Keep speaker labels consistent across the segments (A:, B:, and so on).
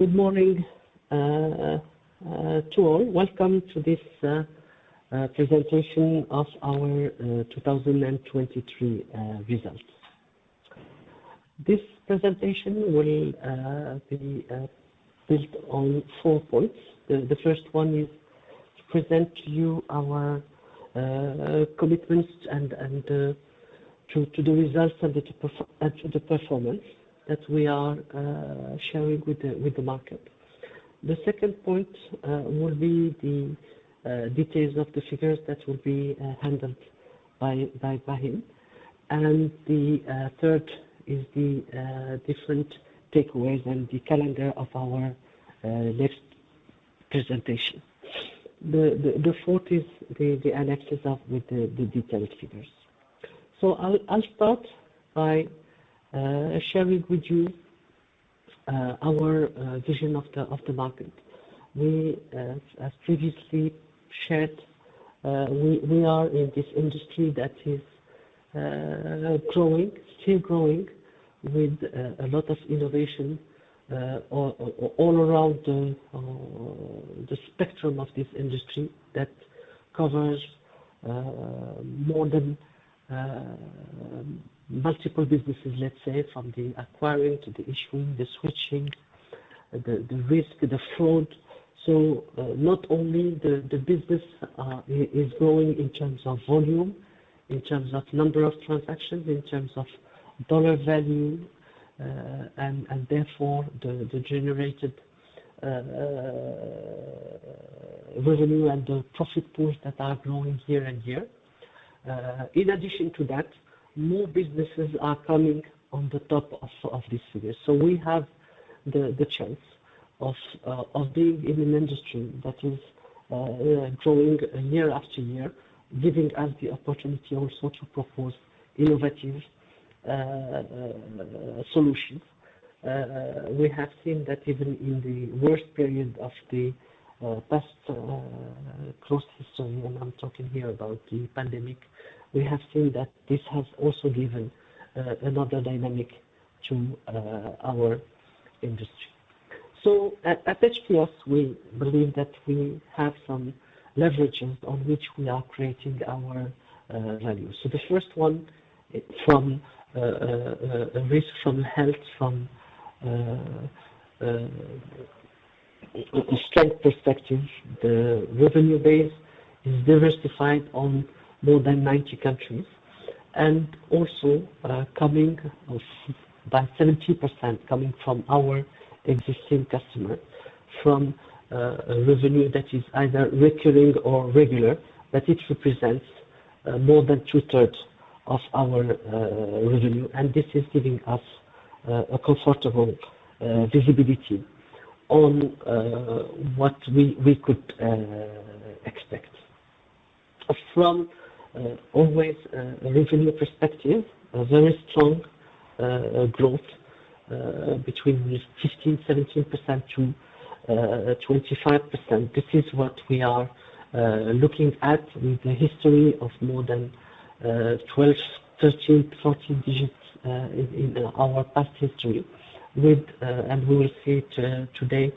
A: Good morning to all. Welcome to this presentation of our 2023 results. This presentation will be built on four points. The first one is to present to you our commitments and to the results and the performance that we are sharing with the market. The second point will be the details of the figures that will be handled by Brahim. The third is the different takeaways and the calendar of our next presentation. The fourth is the annexes with the detailed figures. I'll start by sharing with you our vision of the market. We, as previously shared, we are in this industry that is growing, still growing, with a lot of innovation all around the spectrum of this industry that covers more than multiple businesses, let's say, from the acquiring to the issuing, the switching, the risk, the fraud. So, not only the business is growing in terms of volume, in terms of number of transactions, in terms of dollar value, and therefore the generated revenue and the profit pools that are growing year and year. In addition to that, more businesses are coming on top of these figures. So we have the chance of being in an industry that is growing year after year, giving us the opportunity also to propose innovative solutions. We have seen that even in the worst period of the past close history, and I'm talking here about the pandemic, we have seen that this has also given another dynamic to our industry. So at HPS, we believe that we have some leverages on which we are creating our value. So the first one, from a risk from health, from a strength perspective, the revenue base is diversified on more than 90 countries and also 70% coming from our existing customer, from a revenue that is either recurring or regular, that it represents more than 2/3 of our revenue. And this is giving us a comfortable visibility on what we could expect. From always a revenue perspective, a very strong growth between 15%-17% to 25%. This is what we are looking at with a history of more than 12%, 13%, 14% digits in our past history. We will see it today.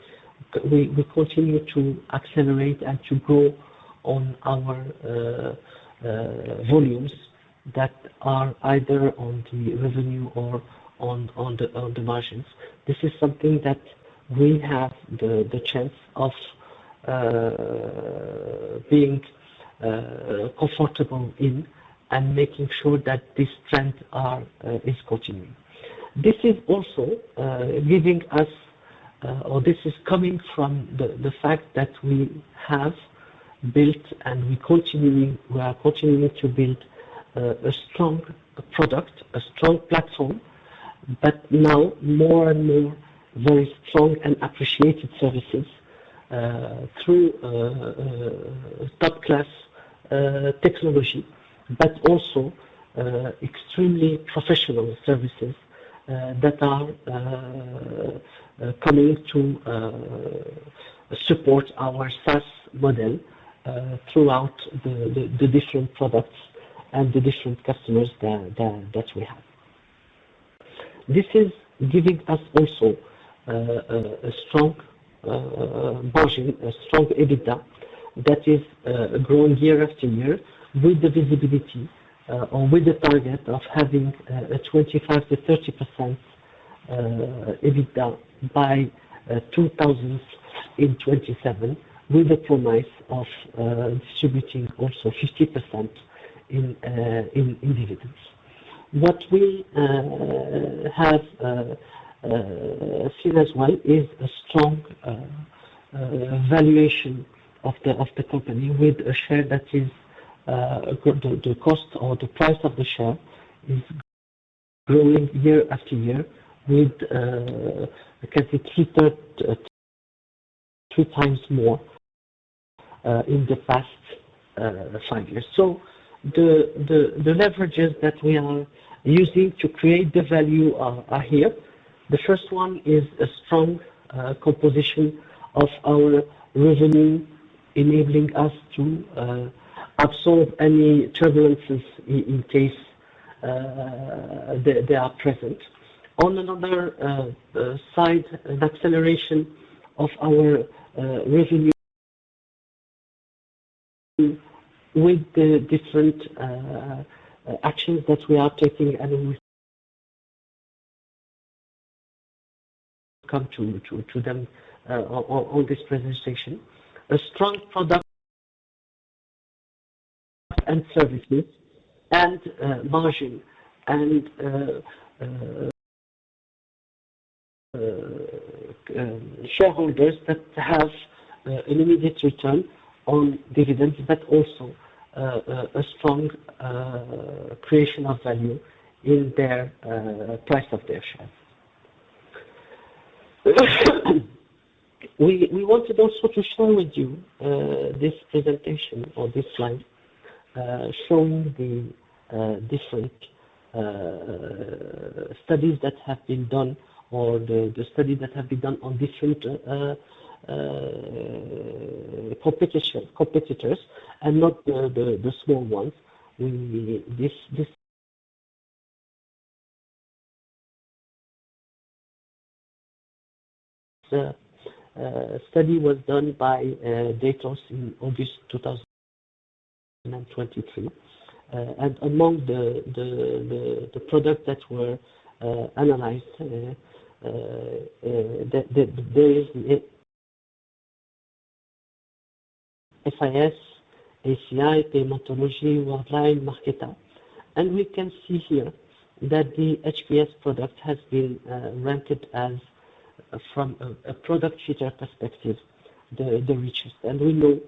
A: We continue to accelerate and to grow on our volumes that are either on the revenue or on the margins. This is something that we have the chance of being comfortable in and making sure that these trends are continuing. This is also giving us, or this is coming from the fact that we have built and we are continuing to build a strong product, a strong platform, but now more and more very strong and appreciated services through top-class technology, but also extremely professional services that are coming to support our SaaS model throughout the different products and the different customers that we have. This is giving us also a strong margin, a strong EBITDA that is growing year after year with the visibility, or with the target of having a 25%-30% EBITDA by 2027 with a promise of distributing also 50% in dividends. What we have seen as well is a strong valuation of the company with a share that is, the cost or the price of the share is growing year after year with can be 3x more in the past five years. So the leverages that we are using to create the value are here. The first one is a strong composition of our revenue enabling us to absorb any turbulences in case they are present. On another side, an acceleration of our revenue with the different actions that we are taking and we come to them on this presentation, a strong product and services and margin and shareholders that have an immediate return on dividends but also a strong creation of value in their price of their shares. We wanted also to share with you this presentation or this slide showing the different studies that have been done or the studies that have been done on different competitors and not the small ones. This study was done by Datos in August 2023. And among the products that were analyzed, there is the FIS, ACI, Paymentology, Worldline, Marqeta. We can see here that the HPS product has been ranked as, from a product feature perspective, the richest. We know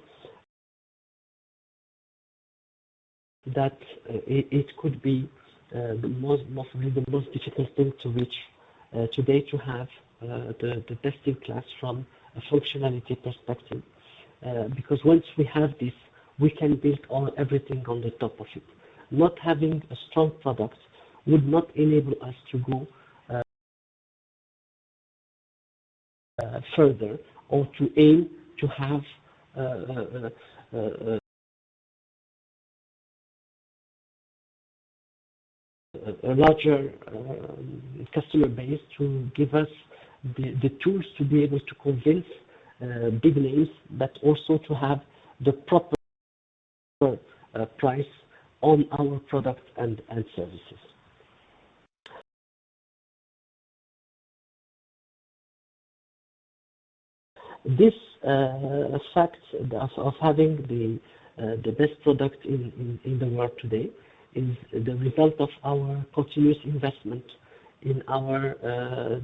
A: that it could be the most difficult thing to reach today to have the best-in-class from a functionality perspective. Because once we have this, we can build on everything on the top of it. Not having a strong product would not enable us to go further or to aim to have a larger customer base to give us the tools to be able to convince big names but also to have the proper price on our product and services. This fact of having the best product in the world today is the result of our continuous investment in our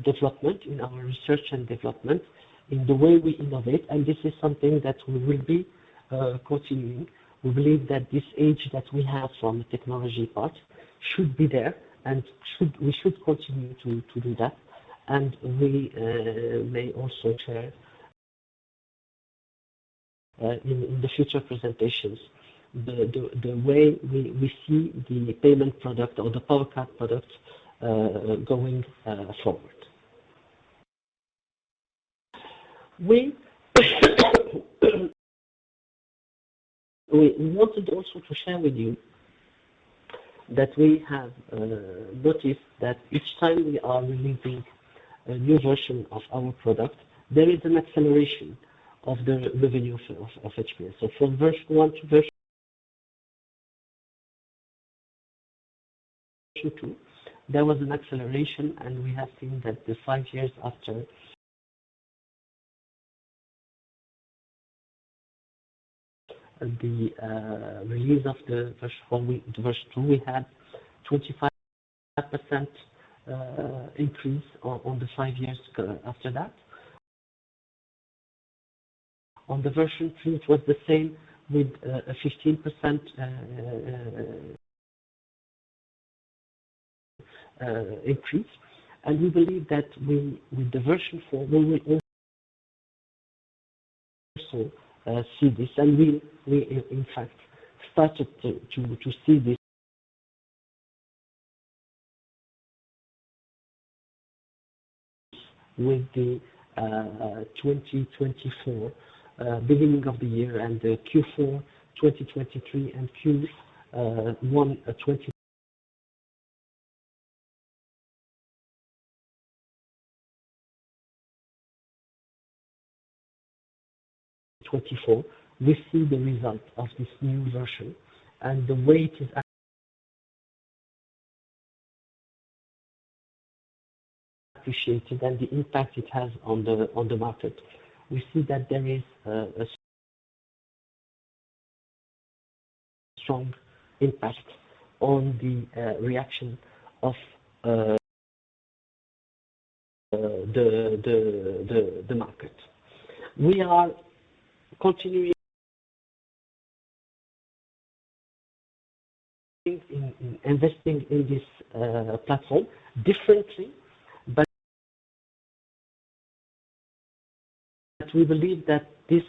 A: development, in our research and development, in the way we innovate. This is something that we will be continuing. We believe that this edge that we have from the technology part should be there and we should continue to do that. We may also share in the future presentations the way we see the payment product or the PowerCARD product going forward. We wanted also to share with you that we have noticed that each time we are releasing a new version of our product, there is an acceleration of the revenue of HPS. From version one to version two, there was an acceleration, and we have seen that the five years after the release of version one to version two, we had 25% increase on the five years after that. On version three, it was the same with a 15% increase. We believe that we, with the version 4, we will also see this. We in fact started to see this with the 2024 beginning of the year and the Q4 2023 and Q1 2024, we see the result of this new version. The way it is appreciated and the impact it has on the market, we see that there is a strong impact on the reaction of the market. We are continuing in investing in this platform differently, but we believe that this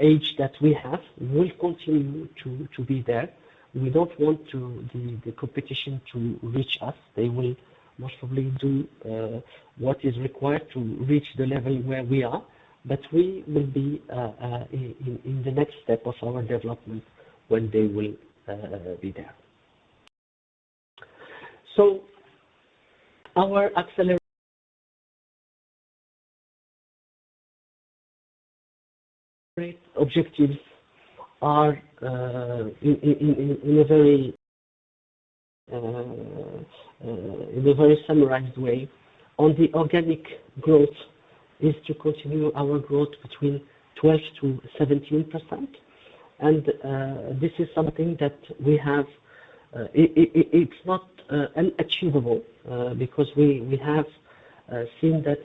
A: edge that we have will continue to be there. We don't want the competition to reach us. They will most probably do what is required to reach the level where we are, but we will be in the next step of our development when they will be there. So our Accelerate objectives are, in a very summarized way, on the organic growth is to continue our growth between 12%-17%. This is something that we have; it's not unachievable, because we have seen that,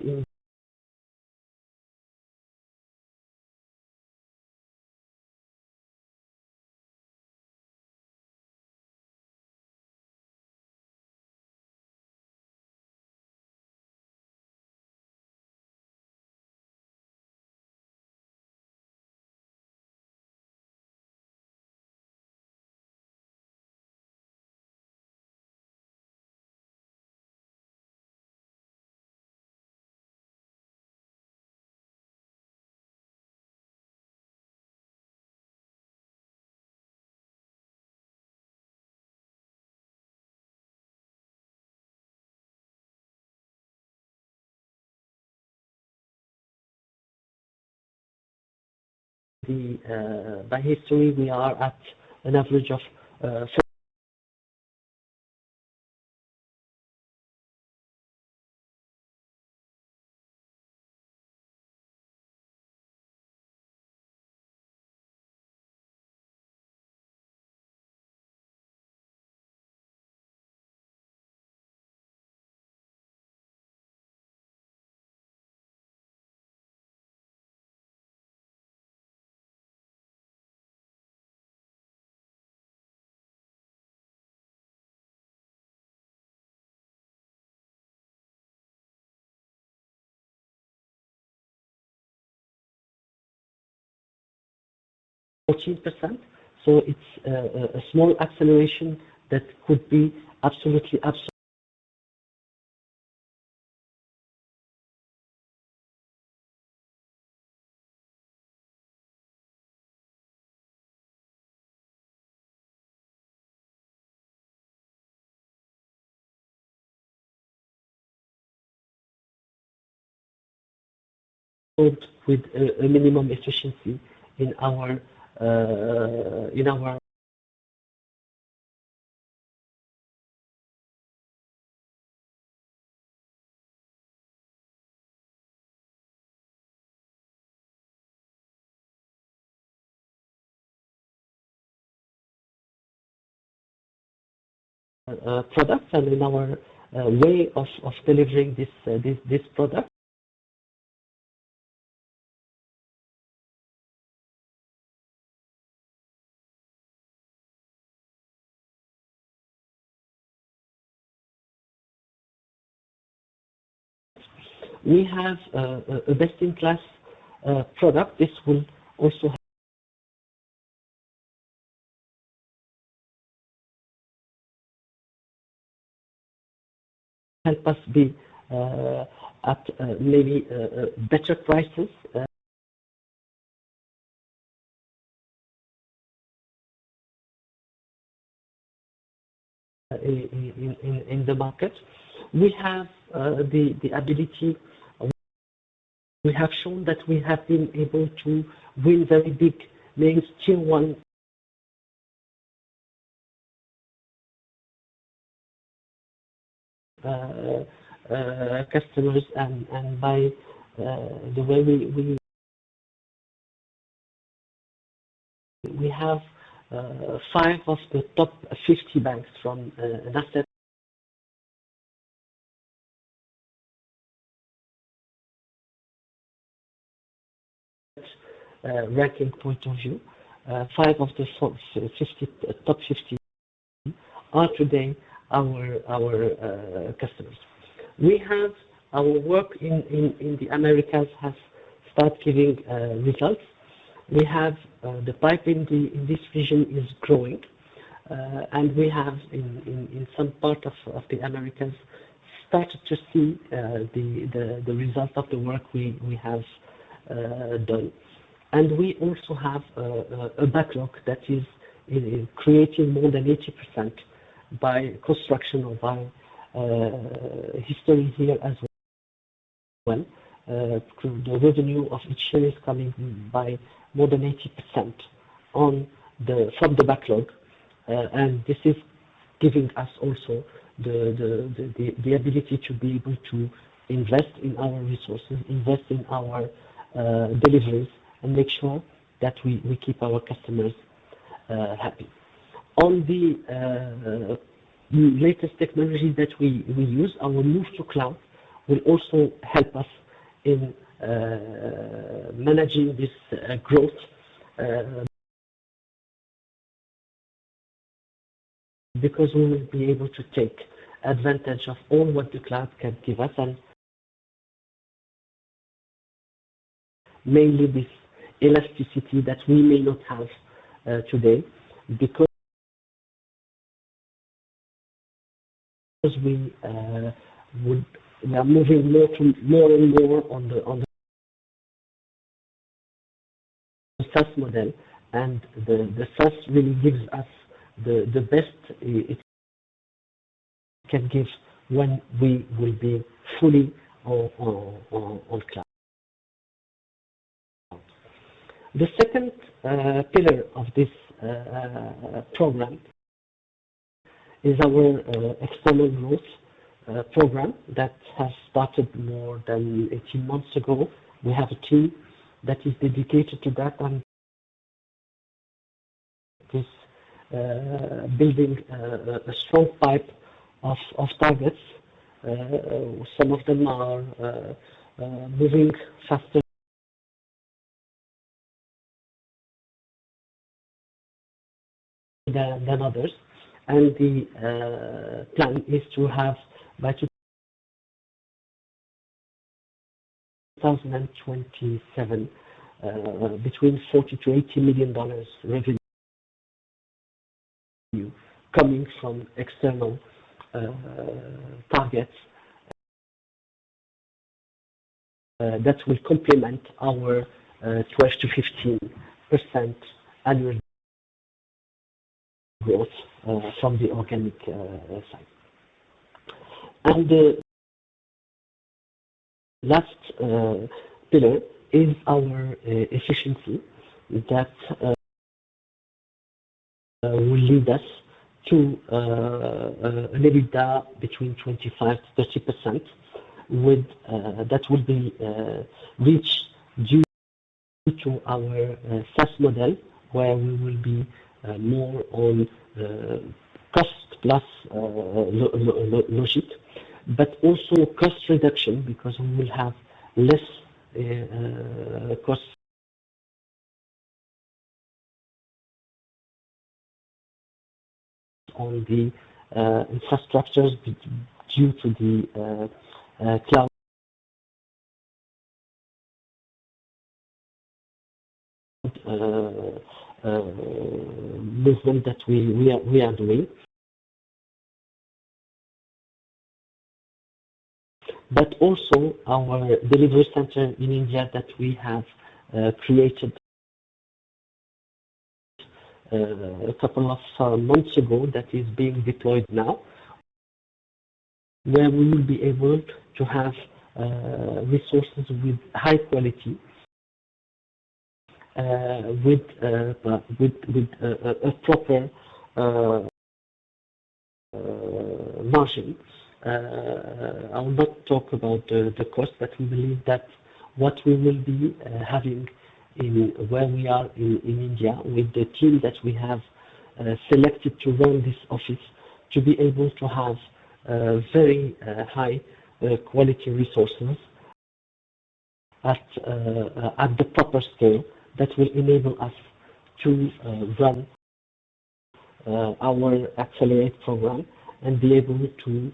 A: by history, we are at an average of 14%. So it's a small acceleration that could be absolutely, absolutely with a minimum efficiency in our product and in our way of delivering this product. We have a best-in-class product. This will also help us be at maybe better prices in the market. We have the ability we have shown that we have been able to win very big names, Tier 1 customers and, by the way we have five of the top 50 banks from an asset ranking point of view, five of the top 50 are today our customers. We have our work in the Americas has started giving results. We have the pipeline in this region is growing, and we have in some part of the Americas started to see the result of the work we have done. And we also have a backlog that is creating more than 80% by construction or by history here as well, through the revenue of each year is coming by more than 80% from the backlog. and this is giving us also the ability to be able to invest in our resources, invest in our deliveries, and make sure that we keep our customers happy. On the latest technology that we use, our move to cloud will also help us in managing this growth, because we will be able to take advantage of all what the cloud can give us and mainly this elasticity that we may not have today because we are moving more and more on the SaaS model. And the SaaS really gives us the best it can give when we will be fully on cloud. The second pillar of this program is our external growth program that has started more than 18 months ago. We have a team that is dedicated to that and this building a strong pipeline of targets. Some of them are moving faster than others. And the plan is to have by 2027 between $40 million-$80 million revenue coming from external targets that will complement our 12%-15% annual growth from the organic side. And the last pillar is our efficiency that will lead us to an EBITDA between 25%-30% that will be reached due to our SaaS model where we will be more on cost-plus logic but also cost reduction because we will have less cost on the infrastructures due to the cloud movement that we are doing. But also our delivery center in India that we have created a couple of months ago that is being deployed now where we will be able to have resources with high quality with a proper margin. I will not talk about the cost, but we believe that what we will be having in where we are in India with the team that we have selected to run this office to be able to have very high quality resources at the proper scale that will enable us to run our Accelerate program and be able to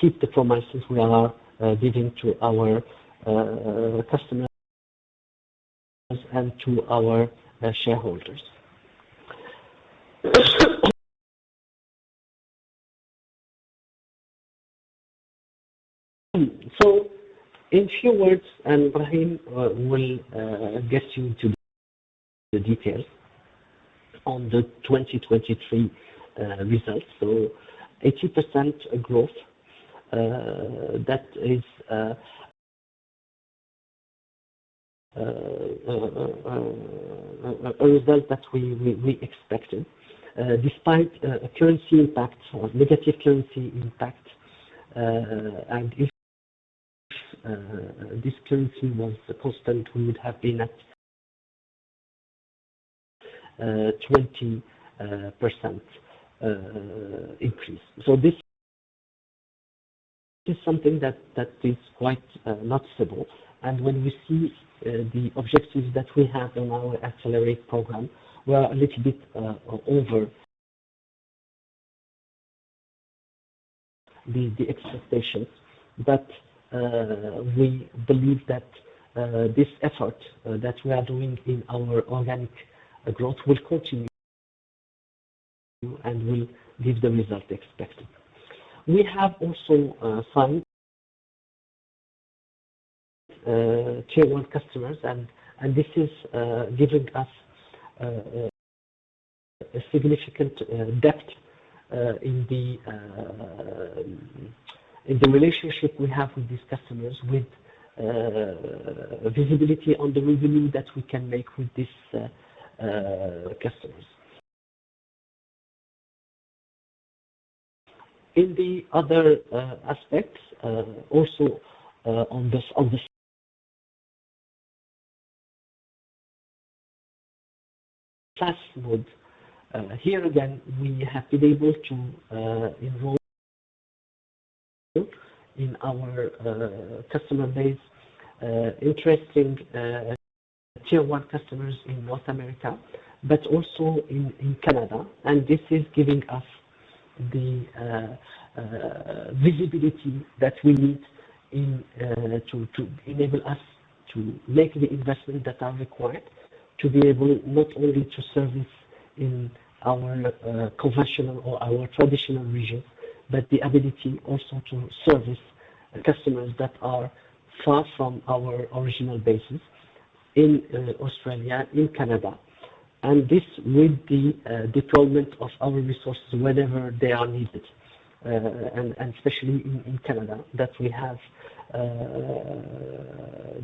A: keep the promises we are giving to our customers and to our shareholders. So in few words, and Brahim will get you into the details on the 2023 results. So 80% growth, that is a result that we expected despite currency impact or negative currency impact. And if this currency was constant, we would have been at a 20% increase. So this is something that that is quite noticeable. And when we see the objectives that we have on our Accelerate program, we're a little bit over the the expectations. But we believe that this effort that we are doing in our organic growth will continue and will give the result expected. We have also signed Tier 1 customers, and and this is giving us a significant depth in the in the relationship we have with these customers with visibility on the revenue that we can make with this customers. In the other aspects, also, on this on the SaaS mode, here again, we have been able to enroll in our customer base interesting Tier 1 customers in North America but also in in Canada. This is giving us the visibility that we need to enable us to make the investments that are required to be able not only to service our conventional or our traditional regions but the ability also to service customers that are far from our original bases in Australia, in Canada. And this with the deployment of our resources whenever they are needed, and especially in Canada that we have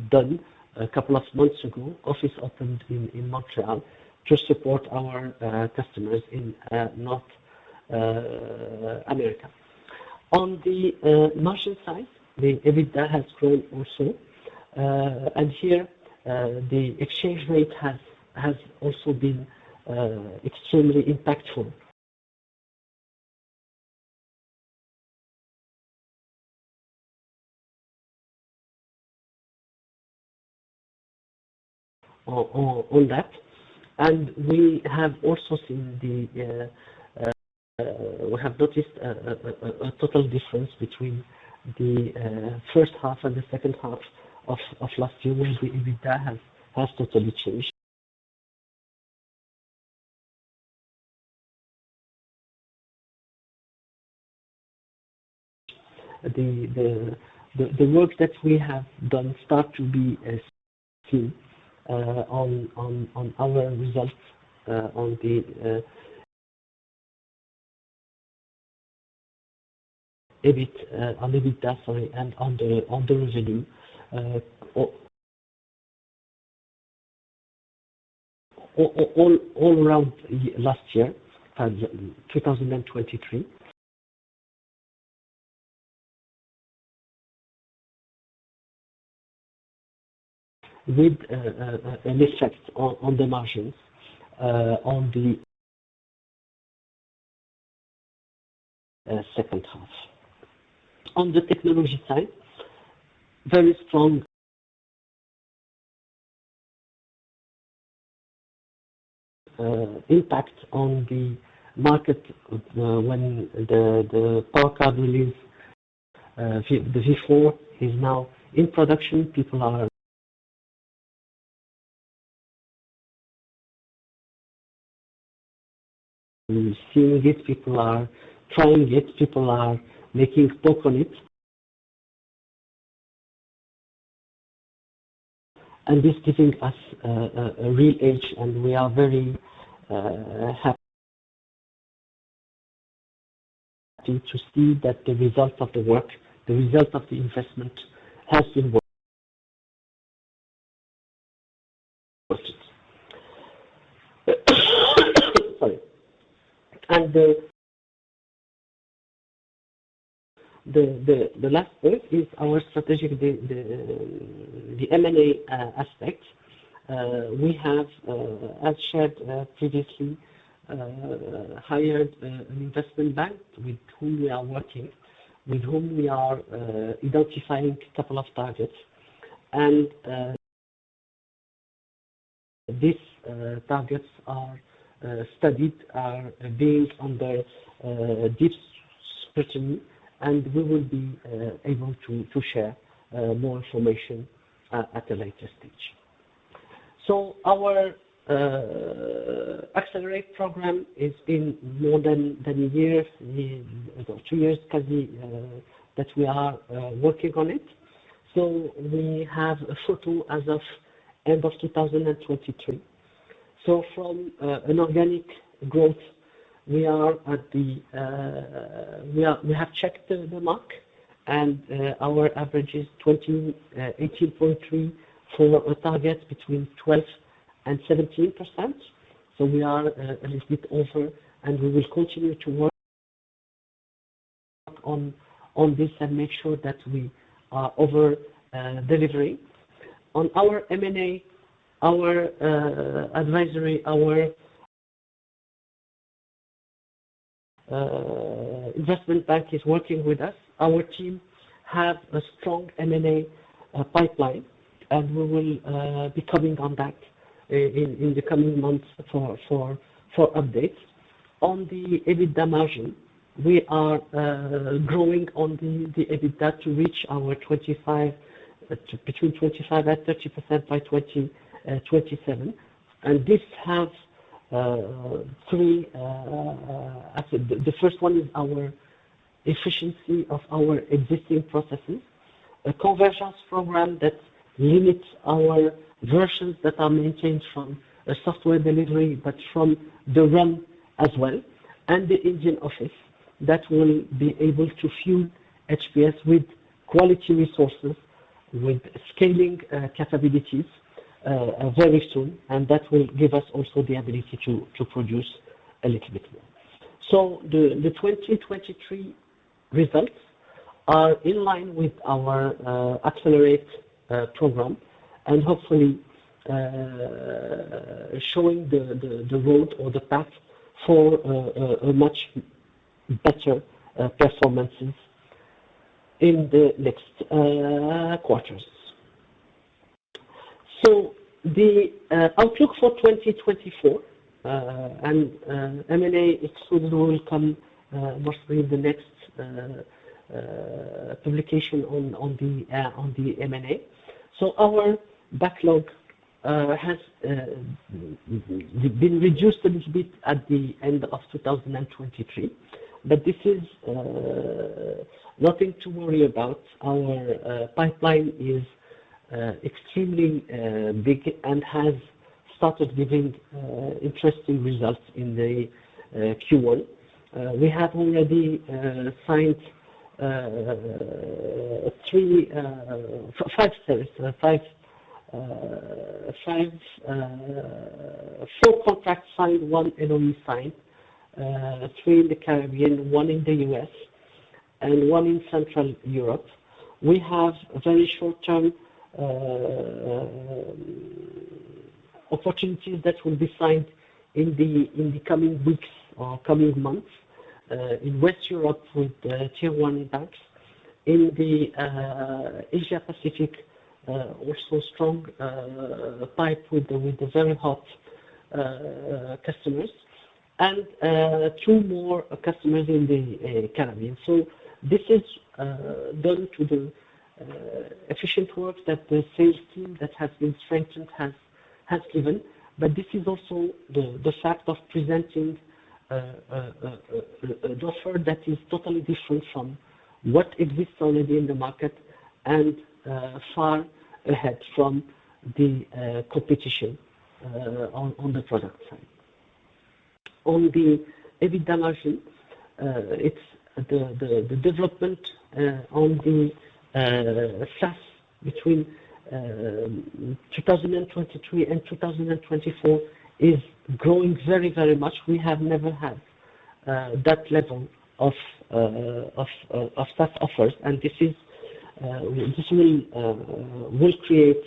A: done a couple of months ago, office opened in Montreal to support our customers in North America. On the margin side, the EBITDA has grown also. And here, the exchange rate has also been extremely impactful on that. And we have also seen the, we have noticed, a total difference between the first half and the second half of last year. The EBITDA has totally changed. The work that we have done start to be seen on our results, on the EBIT on EBITDA, sorry, and on the revenue, all around last year, 2023, with an effect on the margins, on the second half. On the technology side, very strong impact on the market when the PowerCARD release, the v4 is now in production. People are seeing it. People are trying it. People are making talk on it. And this is giving us a real edge, and we are very happy to see that the result of the work, the result of the investment has been worth it. Sorry. And the last part is our strategic, the M&A aspect. We have, as shared previously, hired an investment bank with whom we are identifying a couple of targets. These targets are being studied under deep scrutiny, and we will be able to share more information at the latest stage. So our Accelerate program is in more than a year or two years because we are working on it. So we have a photo as of end of 2023. So from an organic growth, we are at the mark, we have checked the mark, and our average is 18.3% for a target between 12%-17%. So we are a little bit over, and we will continue to work on this and make sure that we are over delivery. On our M&A, our advisory, our investment bank is working with us. Our team has a strong M&A pipeline, and we will be coming on that in the coming months for updates. On the EBITDA margin, we are growing the EBITDA to reach 25%-30% by 2027. And this has three; the first one is our efficiency of our existing processes, a Convergence program that limits our versions that are maintained from a software delivery but from the run as well, and the Indian office that will be able to fuel HPS with quality resources with scaling capabilities very soon. And that will give us also the ability to produce a little bit more. So the 2023 results are in line with our acceleration program and hopefully showing the road or the path for a much better performances in the next quarters. So the outlook for 2024 and M&A exclusive will come mostly in the next publication on the M&A. So our backlog has been reduced a little bit at the end of 2023, but this is nothing to worry about. Our pipeline is extremely big and has started giving interesting results in Q1. We have already signed three, five, sorry, sorry, five contracts signed, one N+ONE signed, three in the Caribbean, one in the U.S., and one in Central Europe. We have very short-term opportunities that will be signed in the coming weeks or coming months in West Europe with Tier 1 banks. In the Asia-Pacific, also strong pipeline with the very hot customers and two more customers in the Caribbean. So this is due to the efficient work that the sales team that has been strengthened has given. But this is also the fact of presenting an offer that is totally different from what exists already in the market and far ahead from the competition on the product side. On the EBITDA margin, it's the development on the SaaS between 2023 and 2024 is growing very much. We have never had that level of SaaS offers. And this will create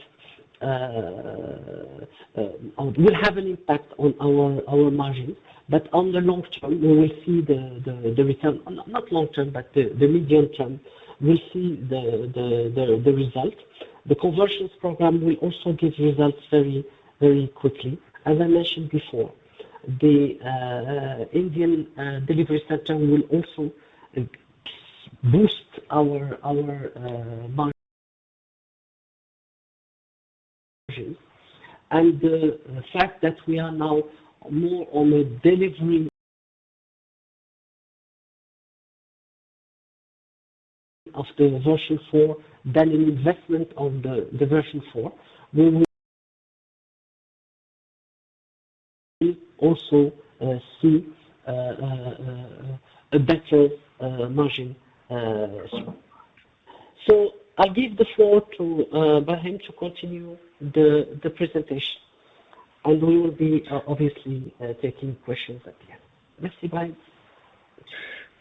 A: an impact on our margin. But on the long term, we will see the return not long term but the medium term, we'll see the result. The Convergence program will also give results very quickly. As I mentioned before, the Indian delivery center will also boost our margins. The fact that we are now more on a delivery of the version 4 than an investment of the version 4, we will also see a better margin, as well. So I'll give the floor to Brahim to continue the presentation, and we will be, obviously, taking questions at the end. Merci, Brahim.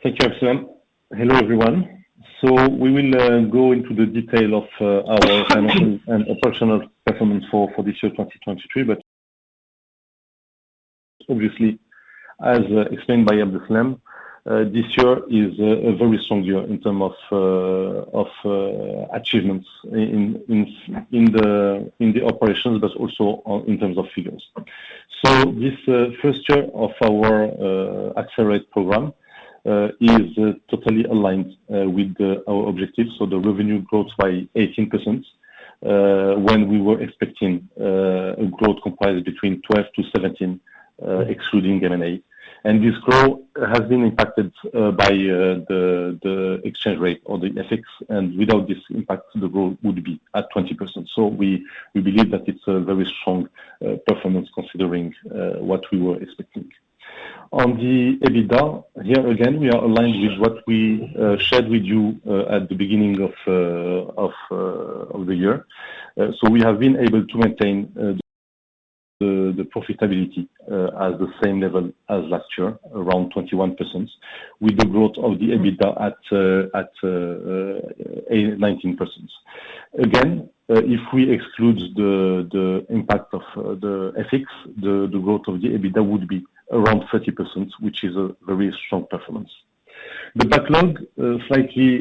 B: Thank you, Abdeslam. Hello, everyone. So we will go into the detail of our operational performance for this year, 2023. But obviously, as explained by Abdeslam, this year is a very strong year in terms of achievements in the operations but also in terms of figures. So this first year of our Accelerate program is totally aligned with our objectives. So the revenue growth by 18%, when we were expecting a growth comprised between 12%-17%, excluding M&A. This growth has been impacted by the exchange rate or the FX. Without this impact, the growth would be at 20%. We believe that it's a very strong performance considering what we were expecting. On the EBITDA, here again, we are aligned with what we shared with you at the beginning of the year. We have been able to maintain the profitability at the same level as last year, around 21%, with the growth of the EBITDA at 19%. Again, if we exclude the impact of the FX, the growth of the EBITDA would be around 30%, which is a very strong performance. The backlog slightly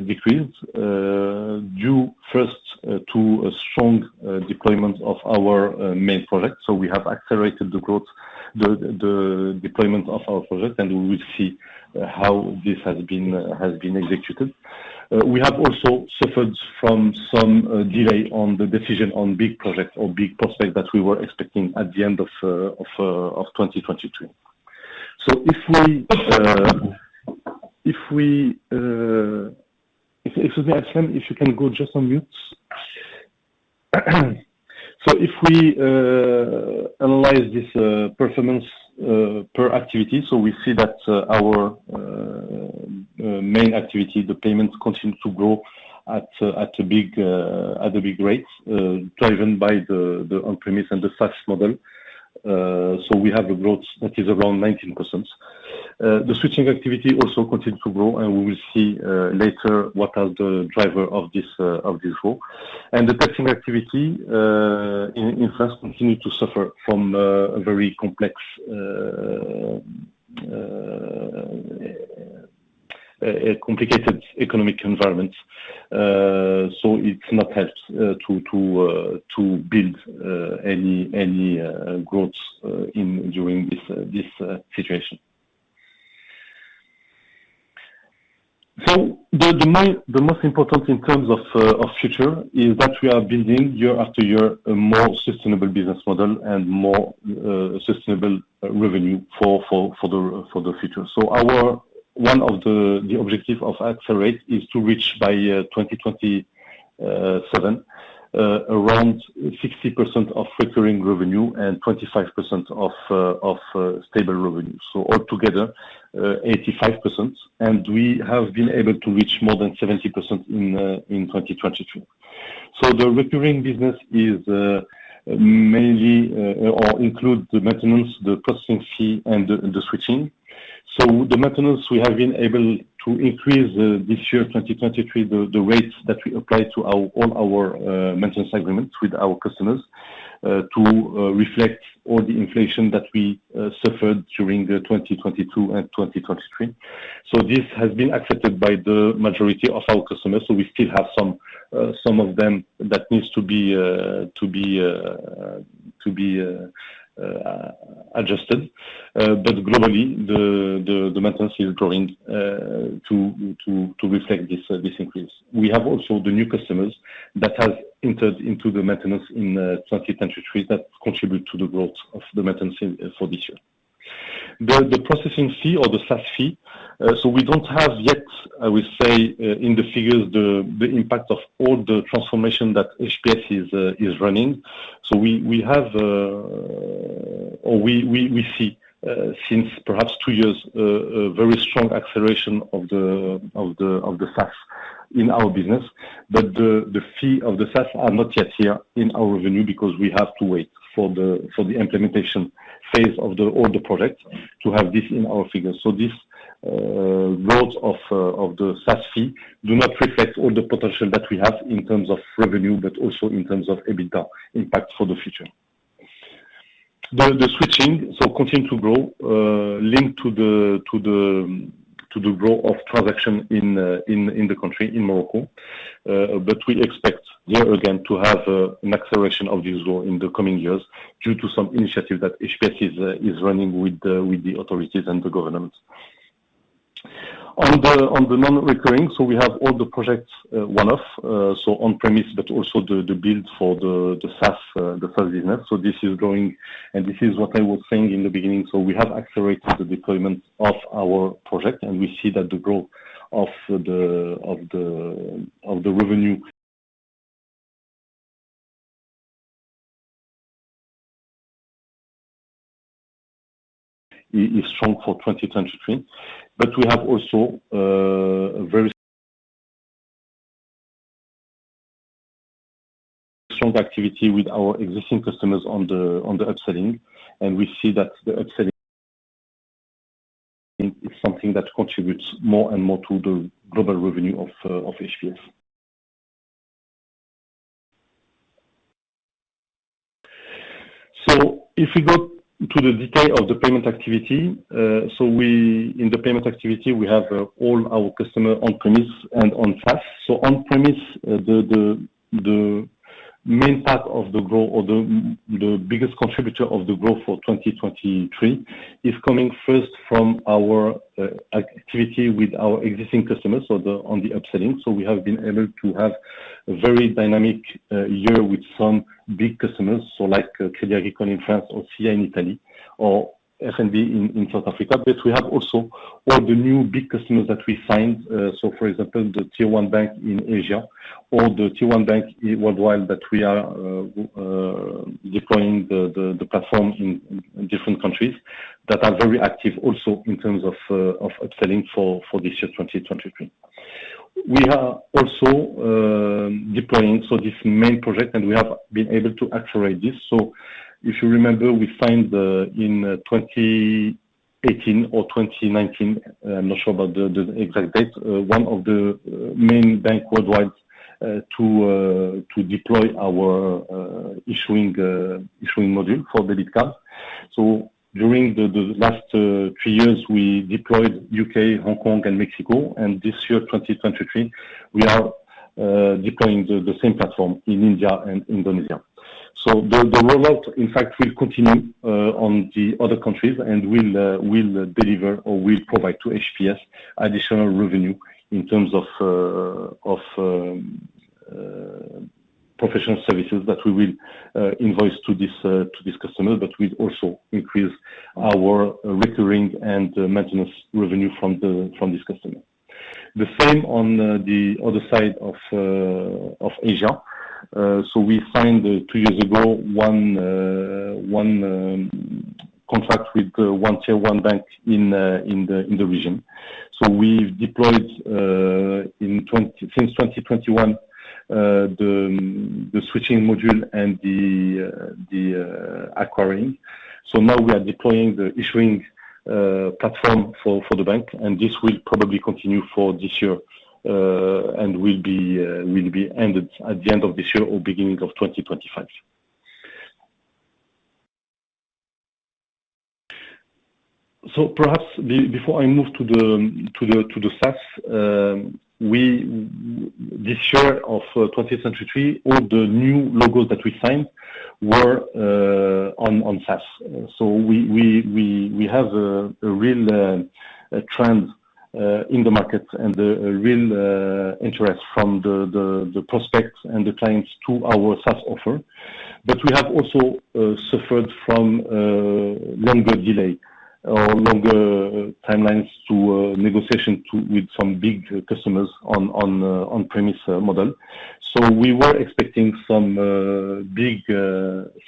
B: decreased, due first to a strong deployment of our main project. So we have accelerated the growth, the deployment of our project, and we will see how this has been executed. We have also suffered from some delay on the decision on big projects or big prospects that we were expecting at the end of 2023. So if we, excuse me, Abdeslam, if you can go just on mute. So if we analyze this performance per activity, so we see that our main activity, the payments, continue to grow at a big rate, driven by the on-premise and the SaaS model. So we have a growth that is around 19%. The switching activity also continues to grow, and we will see later what are the driver of this growth. And the testing activity in France continued to suffer from a very complex, complicated economic environment. So it's not helped to build any growth during this situation. So the most important in terms of future is that we are building year after year a more sustainable business model and more sustainable revenue for the future. So one of the objectives of Accelerate is to reach by 2027 around 60% of recurring revenue and 25% of stable revenue. So altogether, 85%. And we have been able to reach more than 70% in 2023. So the recurring business mainly includes the maintenance, the processing fee, and the switching. So the maintenance, we have been able to increase this year, 2023, the rates that we apply to all our maintenance agreements with our customers to reflect all the inflation that we suffered during the 2022 and 2023. So this has been accepted by the majority of our customers. So we still have some of them that needs to be adjusted. But globally, the maintenance is growing to reflect this increase. We have also the new customers that have entered into the maintenance in 2023 that contribute to the growth of the maintenance for this year. The processing fee or the SaaS fee, so we don't have yet, I will say, in the figures, the impact of all the transformation that HPS is running. So we see, since perhaps two years, a very strong acceleration of the SaaS in our business. But the fee of the SaaS are not yet here in our revenue because we have to wait for the implementation phase of all the projects to have this in our figures. So this growth of the SaaS fee do not reflect all the potential that we have in terms of revenue but also in terms of EBITDA impact for the future. The switching continues to grow, linked to the growth of transaction in the country, in Morocco. We expect, here again, to have an acceleration of this growth in the coming years due to some initiative that HPS is running with the authorities and the government. On the non-recurring, so we have all the projects, one-off, so on-premise but also the build for the SaaS business. So this is growing. And this is what I was saying in the beginning. So we have accelerated the deployment of our project, and we see that the growth of the revenue is strong for 2023. But we have also a very strong activity with our existing customers on the upselling. And we see that the upselling is something that contributes more and more to the global revenue of HPS. So if we go to the detail of the payment activity, so in the payment activity, we have all our customers on-premise and on-SaaS. So on-premise, the main part of the growth or the biggest contributor of the growth for 2023 is coming first from our activity with our existing customers, so on the upselling. So we have been able to have a very dynamic year with some big customers, so like Crédit Agricole in France or SIA in Italy or SBV in South Africa. But we have also all the new big customers that we signed, so for example, the Tier 1 bank in Asia or the Tier 1 bank worldwide that we are deploying the platform in different countries that are very active also in terms of upselling for this year, 2023. We are also deploying this main project, and we have been able to accelerate this. So if you remember, we signed in 2018 or 2019, I'm not sure about the exact date, one of the main banks worldwide to deploy our issuing module for debit cards. So during the last three years, we deployed U.K., Hong Kong, and Mexico. And this year, 2023, we are deploying the same platform in India and Indonesia. So the rollout, in fact, will continue on the other countries and will deliver or will provide to HPS additional revenue in terms of professional services that we will invoice to this customer. But we'd also increase our recurring and maintenance revenue from this customer. The same on the other side of Asia. So we signed, two years ago, one contract with one Tier 1 bank in the region. So we've deployed, in 2020 since 2021, the switching module and the acquiring. So now we are deploying the issuing platform for the bank. And this will probably continue for this year, and will be ended at the end of this year or beginning of 2025. So perhaps, before I move to the SaaS, we, this year of 2023, all the new logos that we signed were on SaaS. So we have a real trend in the market and a real interest from the prospects and the clients to our SaaS offer. But we have also suffered from longer delay or longer timelines to negotiate with some big customers on on-premise model. So we were expecting some big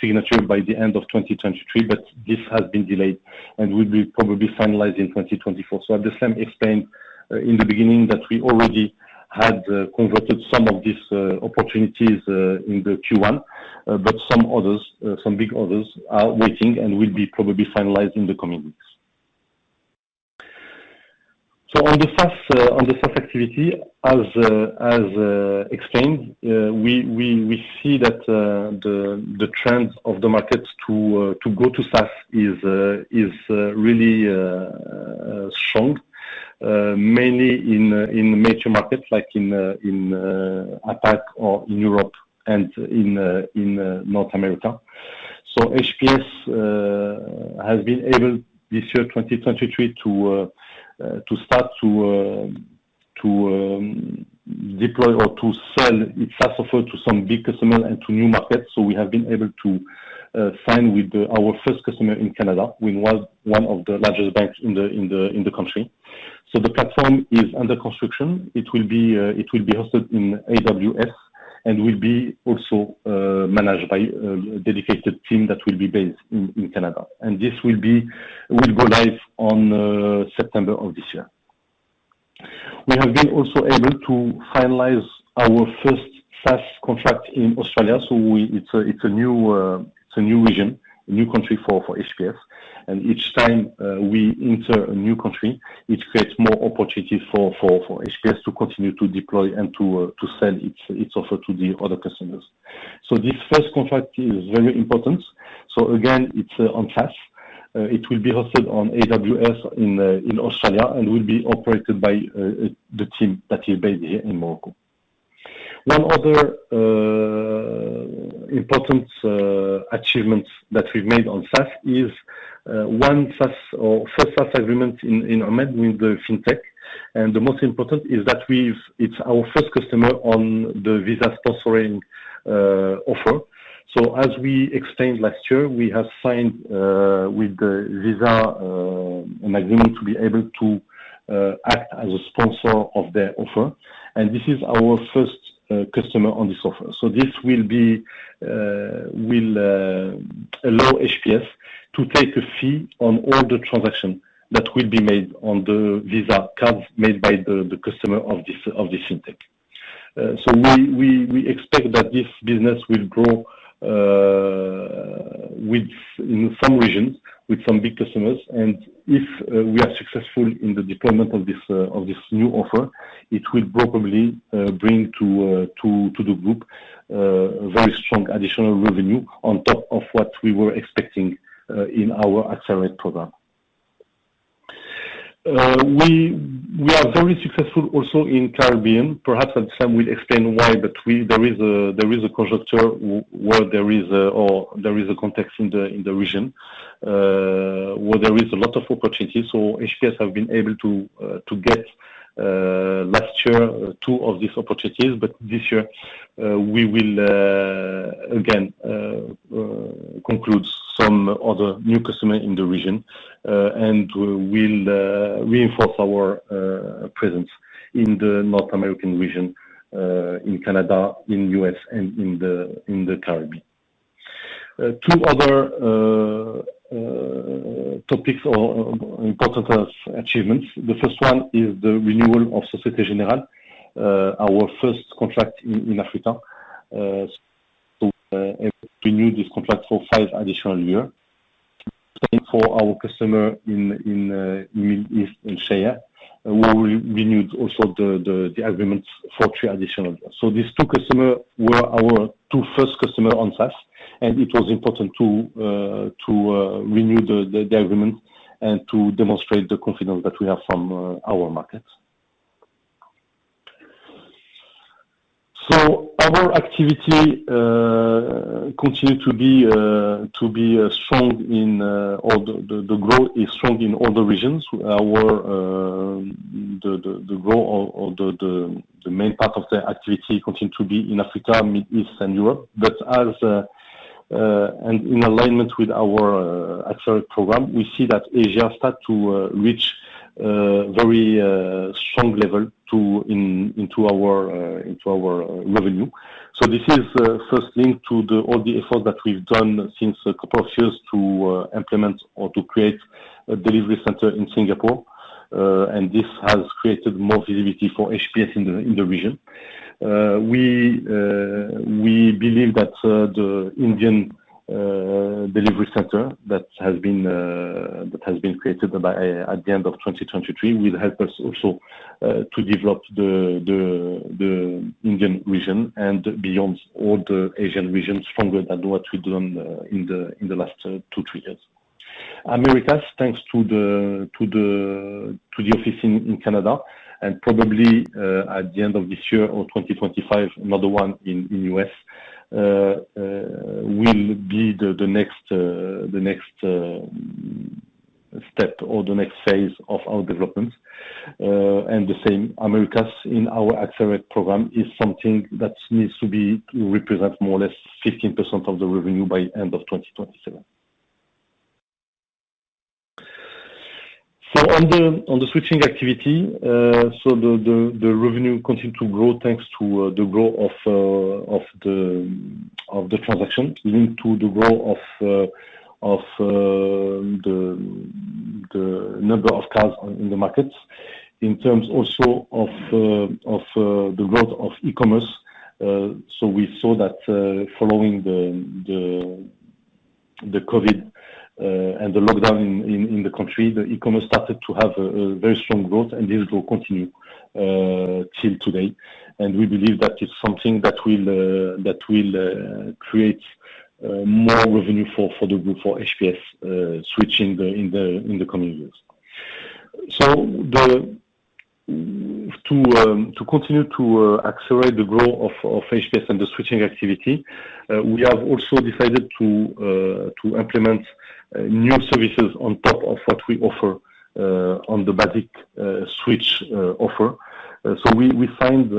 B: signature by the end of 2023, but this has been delayed and will probably be finalized in 2024. So Abdeslam explained in the beginning that we already had converted some of these opportunities in the Q1, but some others some big others are waiting and will probably be finalized in the coming weeks. So on the SaaS activity, as explained, we see that the trend of the market to go to SaaS is really strong, mainly in major markets like in APAC or in Europe and in North America. So HPS has been able this year, 2023, to start to deploy or to sell its SaaS offer to some big customer and to new markets. So we have been able to sign with our first customer in Canada with one of the largest banks in the country. So the platform is under construction. It will be hosted in AWS and will also be managed by a dedicated team that will be based in Canada. And this will go live on September of this year. We have also been able to finalize our first SaaS contract in Australia. So it's a new region, a new country for HPS. And each time, we enter a new country, it creates more opportunities for HPS to continue to deploy and to sell its offer to the other customers. So this first contract is very important. So again, it's on SaaS. It will be hosted on AWS in Australia and will be operated by the team that is based here in Morocco. One other important achievement that we've made on SaaS is our first SaaS agreement in EMEA with the fintech. And the most important is that it's our first customer on the Visa sponsoring offer. So as we explained last year, we have signed with the Visa an agreement to be able to act as a sponsor of their offer. And this is our first customer on this offer. So this will allow HPS to take a fee on all the transactions that will be made on the Visa cards made by the customer of this fintech. So we expect that this business will grow within some regions with some big customers. And if we are successful in the deployment of this new offer, it will probably bring to the group very strong additional revenue on top of what we were expecting in our Accelerate program. We are very successful also in the Caribbean. Perhaps Abdeslam will explain why, but there is a conjuncture where there is, or there is a context in the region, where there is a lot of opportunities. So HPS have been able to get last year two of these opportunities. This year, we will again conclude some other new customer in the region, and we'll reinforce our presence in the North American region, in Canada, in the U.S., and in the Caribbean. Two other topics or important achievements. The first one is the renewal of Société Générale, our first contract in Africa. So, renewed this contract for five additional years. For our customer in the Middle East and SIA, we renewed also the agreements for three additional years. So these two customer were our two first customer on SaaS. And it was important to renew the agreements and to demonstrate the confidence that we have from our markets. So our activity continues to be strong in all the regions. The growth is strong in all the regions. The growth or the main part of the activity continues to be in Africa, Middle East, and Europe. But, and in alignment with our Accelerate program, we see that Asia start to reach very strong level in our revenue. So this is first link to all the efforts that we've done since a couple of years to implement or to create a delivery center in Singapore. And this has created more visibility for HPS in the region. We believe that the Indian delivery center that has been created at the end of 2023 will help us also to develop the Indian region and beyond all the Asian regions stronger than what we've done in the last two, three years. Americas, thanks to the office in Canada and probably, at the end of this year or 2025, another one in the US, will be the next step or the next phase of our development. The same. The Americas in our Accelerate program is something that needs to represent more or less 15% of the revenue by the end of 2027. So on the switching activity, the revenue continued to grow thanks to the growth of the transactions linked to the growth of the number of cards in the markets in terms also of the growth of e-commerce. So we saw that, following the COVID and the lockdown in the country, the e-commerce started to have a very strong growth. And this will continue till today. We believe that it's something that will create more revenue for the group for HPS switching in the coming years. So to continue to accelerate the growth of HPS and the switching activity, we have also decided to implement new services on top of what we offer on the basic switch offer. So we signed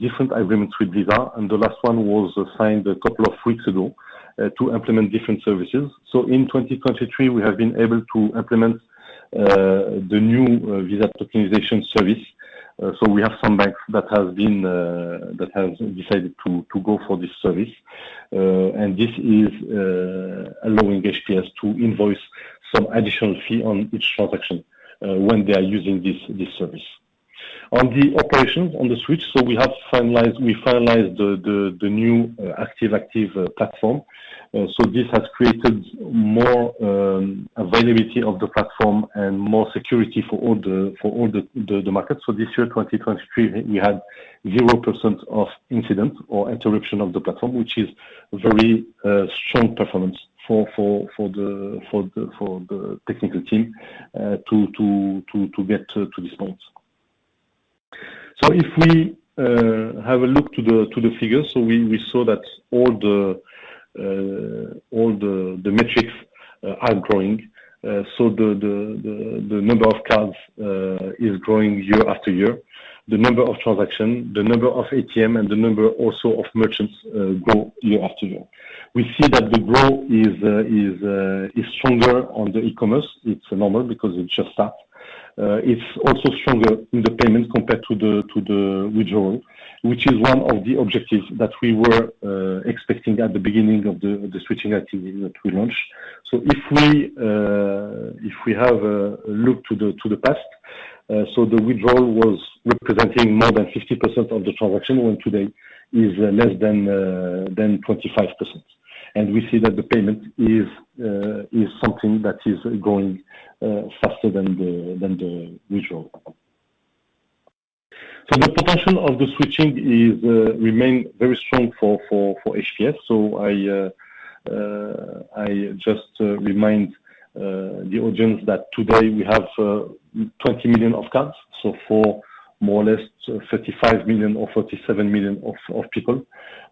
B: different agreements with Visa. And the last one was signed a couple of weeks ago to implement different services. So in 2023, we have been able to implement the new Visa tokenization service. So we have some banks that has decided to go for this service. And this is allowing HPS to invoice some additional fee on each transaction when they are using this service. On the operations on the switch, so we have finalized the new Active platform. So this has created more availability of the platform and more security for all the markets. So this year, 2023, we had 0% of incidents or interruption of the platform, which is very strong performance for the technical team to get to this point. So if we have a look to the figures, so we saw that all the metrics are growing. So the number of cards is growing year after year. The number of transactions, the number of ATM, and the number also of merchants grow year after year. We see that the growth is stronger on the e-commerce. It's normal because it just starts. It's also stronger in the payments compared to the withdrawal, which is one of the objectives that we were expecting at the beginning of the switching activity that we launched. So if we have looked to the past, so the withdrawal was representing more than 50% of the transaction when today is less than 25%. And we see that the payment is something that is going faster than the withdrawal. So the potential of the switching remains very strong for HPS. So I just remind the audience that today, we have 20 million cards. So for more or less 35 million or 47 million people.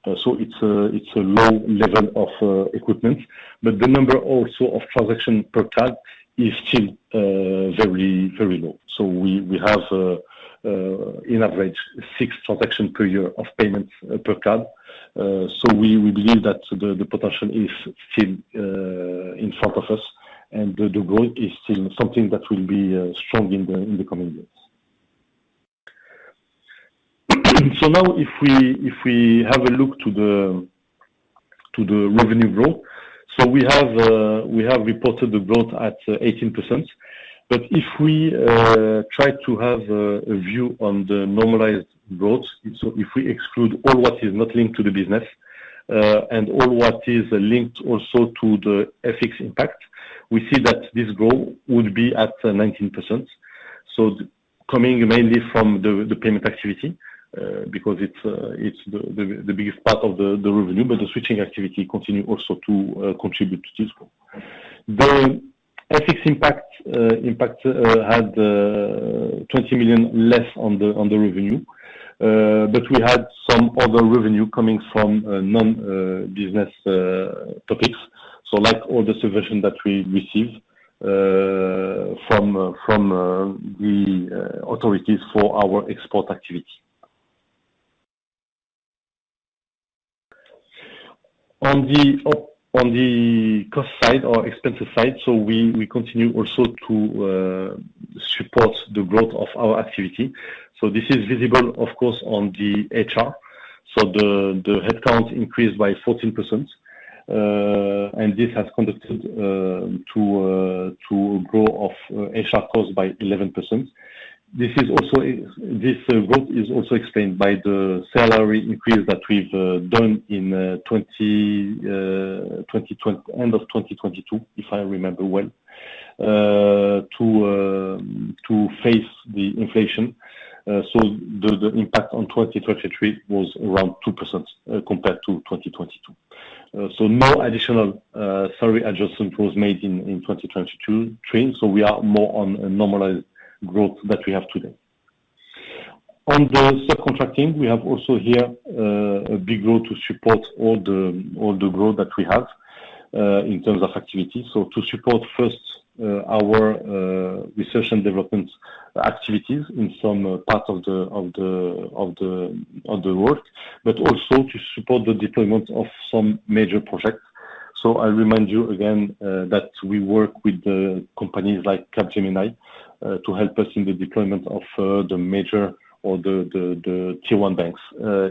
B: So it's a low level of equipment. But the number also of transactions per card is still very, very low. So we have, on average, six transactions per year of payments, per card. So we believe that the potential is still in front of us. And the growth is still something that will be strong in the coming years. So now if we have a look at the revenue growth, so we have reported the growth at 18%. But if we try to have a view on the normalized growth, so if we exclude all what is not linked to the business, and all what is linked also to the FX impact, we see that this growth would be at 19%. So coming mainly from the payment activity, because it's the biggest part of the revenue. But the switching activity continue also to contribute to this growth. The FX impact had MAD 20 million less on the revenue. But we had some other revenue coming from non-business topics. So like all the subvention that we receive from the authorities for our export activity. On the cost side or expenses side, we continue also to support the growth of our activity. So this is visible, of course, on the HR. The headcount increased by 14%. And this has contributed to a growth of HR costs by 11%. This growth is also explained by the salary increase that we've done in 2022, end of 2022, if I remember well, to face the inflation. So the impact on 2023 was around 2%, compared to 2022. So no additional salary adjustment was made in 2023. So we are more on a normalized growth that we have today. On the subcontracting, we have also here a big growth to support all the growth that we have in terms of activity. So to support first our research and development activities in some part of the work, but also to support the deployment of some major projects. So I remind you again that we work with companies like Capgemini to help us in the deployment of the major Tier 1 banks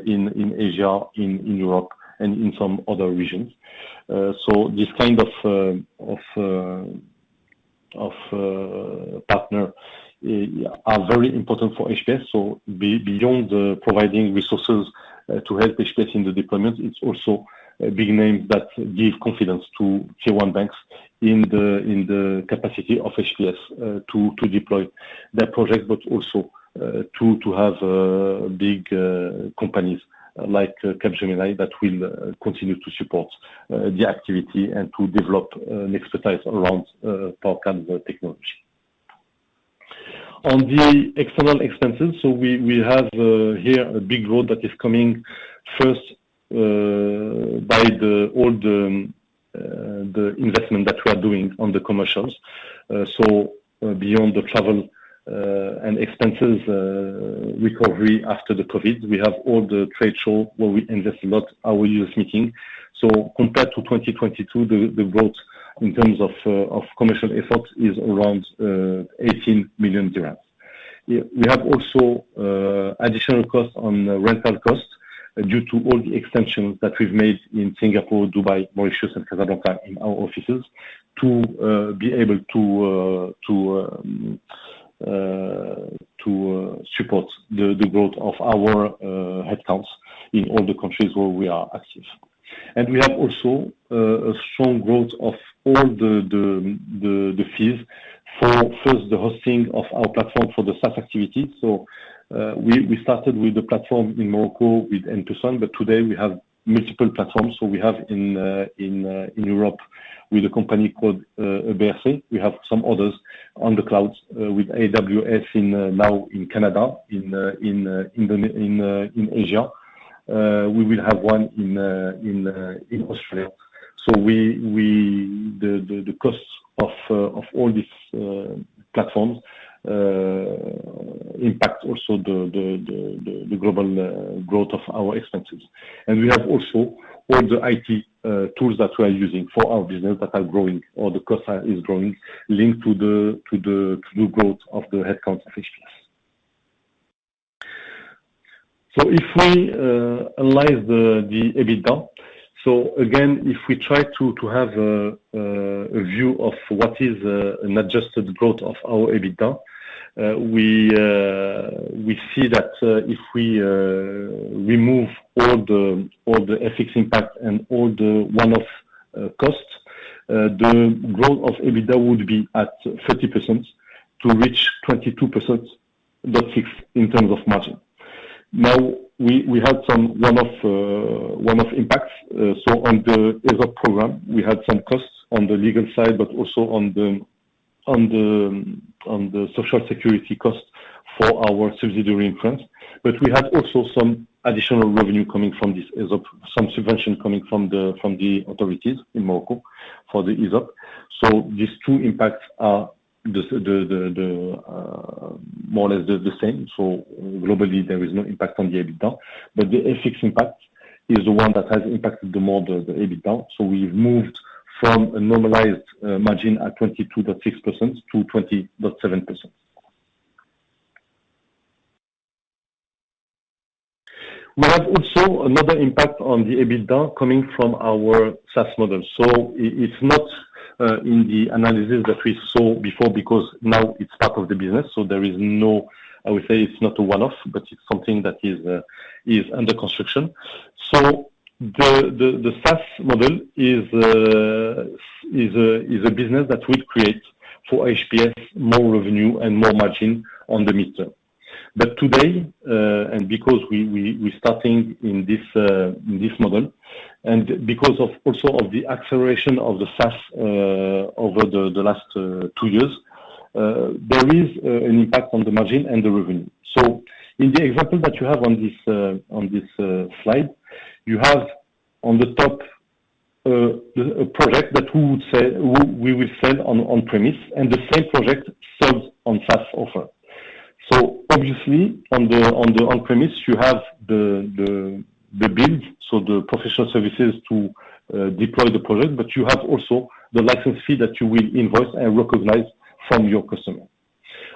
B: in Europe and in some other regions. So this kind of partner are very important for HPS. Beyond the providing resources to help HPS in the deployment, it's also big names that give confidence to Tier 1 banks in the capacity of HPS to deploy their projects, but also to have big companies like Capgemini that will continue to support the activity and to develop an expertise around PowerCARD technology. On the external expenses, we have here a big growth that is coming first by all the investment that we are doing on the commercials. Beyond the travel and expenses recovery after the COVID, we have all the trade shows where we invest a lot, our U.S. meetings. Compared to 2022, the growth in terms of commercial effort is around MAD 18 million. We have also additional costs on rental costs due to all the extensions that we've made in Singapore, Dubai, Mauritius, and Casablanca in our offices to be able to support the growth of our headcounts in all the countries where we are active. And we have also a strong growth of all the fees, first, the hosting of our platform for the SaaS activity. So, we started with the platform in Morocco with N+ONE. But today, we have multiple platforms. So we have in Europe with a company called EBRC. We have some others on the cloud, with AWS now in Canada, in Indonesia in Asia. We will have one in Australia. So we, the costs of all these platforms impact also the global growth of our expenses. And we have also all the IT tools that we are using for our business that are growing or the cost is growing linked to the growth of the headcount of HPS. So if we analyze the EBITDA, so again, if we try to have a view of what is an adjusted growth of our EBITDA, we see that if we remove all the FX impact and all the one-off costs, the growth of EBITDA would be at 30% to reach 22.6% in terms of margin. Now, we had some one-off impacts. So on the ESOP program, we had some costs on the legal side, but also on the social security costs for our subsidiary in France. But we had also some additional revenue coming from this ESOP, some subvention coming from the authorities in Morocco for the ESOP. So these two impacts are more or less the same. So globally, there is no impact on the EBITDA. But the FX impact is the one that has impacted the EBITDA more. So we've moved from a normalized margin at 22.6% to 20.7%. We have also another impact on the EBITDA coming from our SaaS model. So it's not in the analysis that we saw before because now it's part of the business. So there is no, I would say it's not a one-off, but it's something that is under construction. So the SaaS model is a business that will create for HPS more revenue and more margin on the mid-term. But today, and because we starting in this model and because of also the acceleration of the SaaS over the last two years, there is an impact on the margin and the revenue. So in the example that you have on this slide, you have on the top a project that we would sell we will sell on on-premise. And the same project sold on SaaS offer. So obviously, on the on-premise, you have the build so the professional services to deploy the project. But you have also the license fee that you will invoice and recognize from your customer.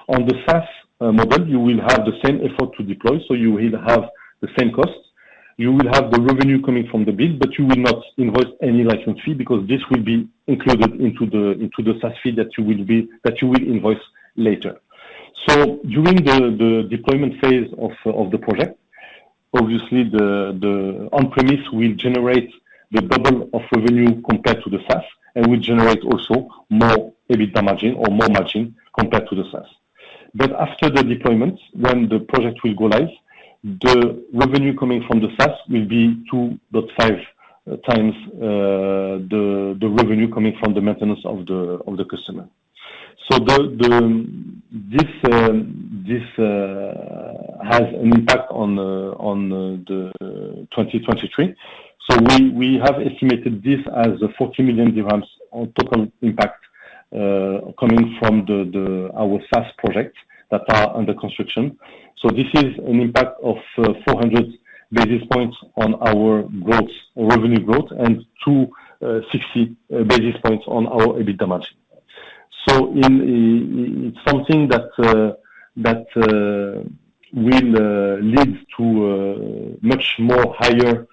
B: On the SaaS model, you will have the same effort to deploy. So you will have the same cost. You will have the revenue coming from the build, but you will not invoice any license fee because this will be included into the SaaS fee that you will invoice later. So during the deployment phase of the project, obviously, the on-premise will generate the double of revenue compared to the SaaS and will generate also more EBITDA margin or more margin compared to the SaaS. But after the deployment, when the project will go live, the revenue coming from the SaaS will be 2.5x the revenue coming from the maintenance of the customer. So this has an impact on the 2023. So we have estimated this as MAD 40 million total impact, coming from our SaaS projects that are under construction. So this is an impact of 400 basis points on our revenue growth and 260 basis points on our EBITDA margin. So it's something that will lead to much more higher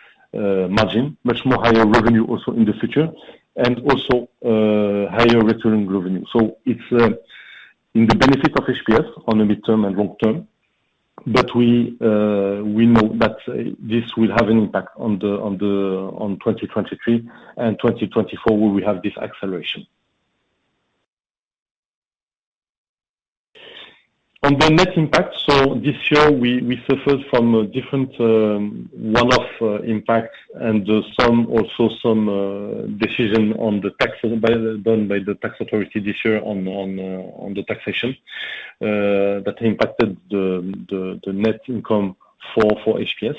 B: margin, much more higher revenue also in the future, and also higher recurring revenue. So it's in the benefit of HPS on the mid-term and long-term. But we know that this will have an impact on 2023 and 2024, where we have this acceleration. On the net impact, so this year, we suffered from a different one-off impact and some decision on the tax done by the tax authority this year on the taxation that impacted the net income for HPS.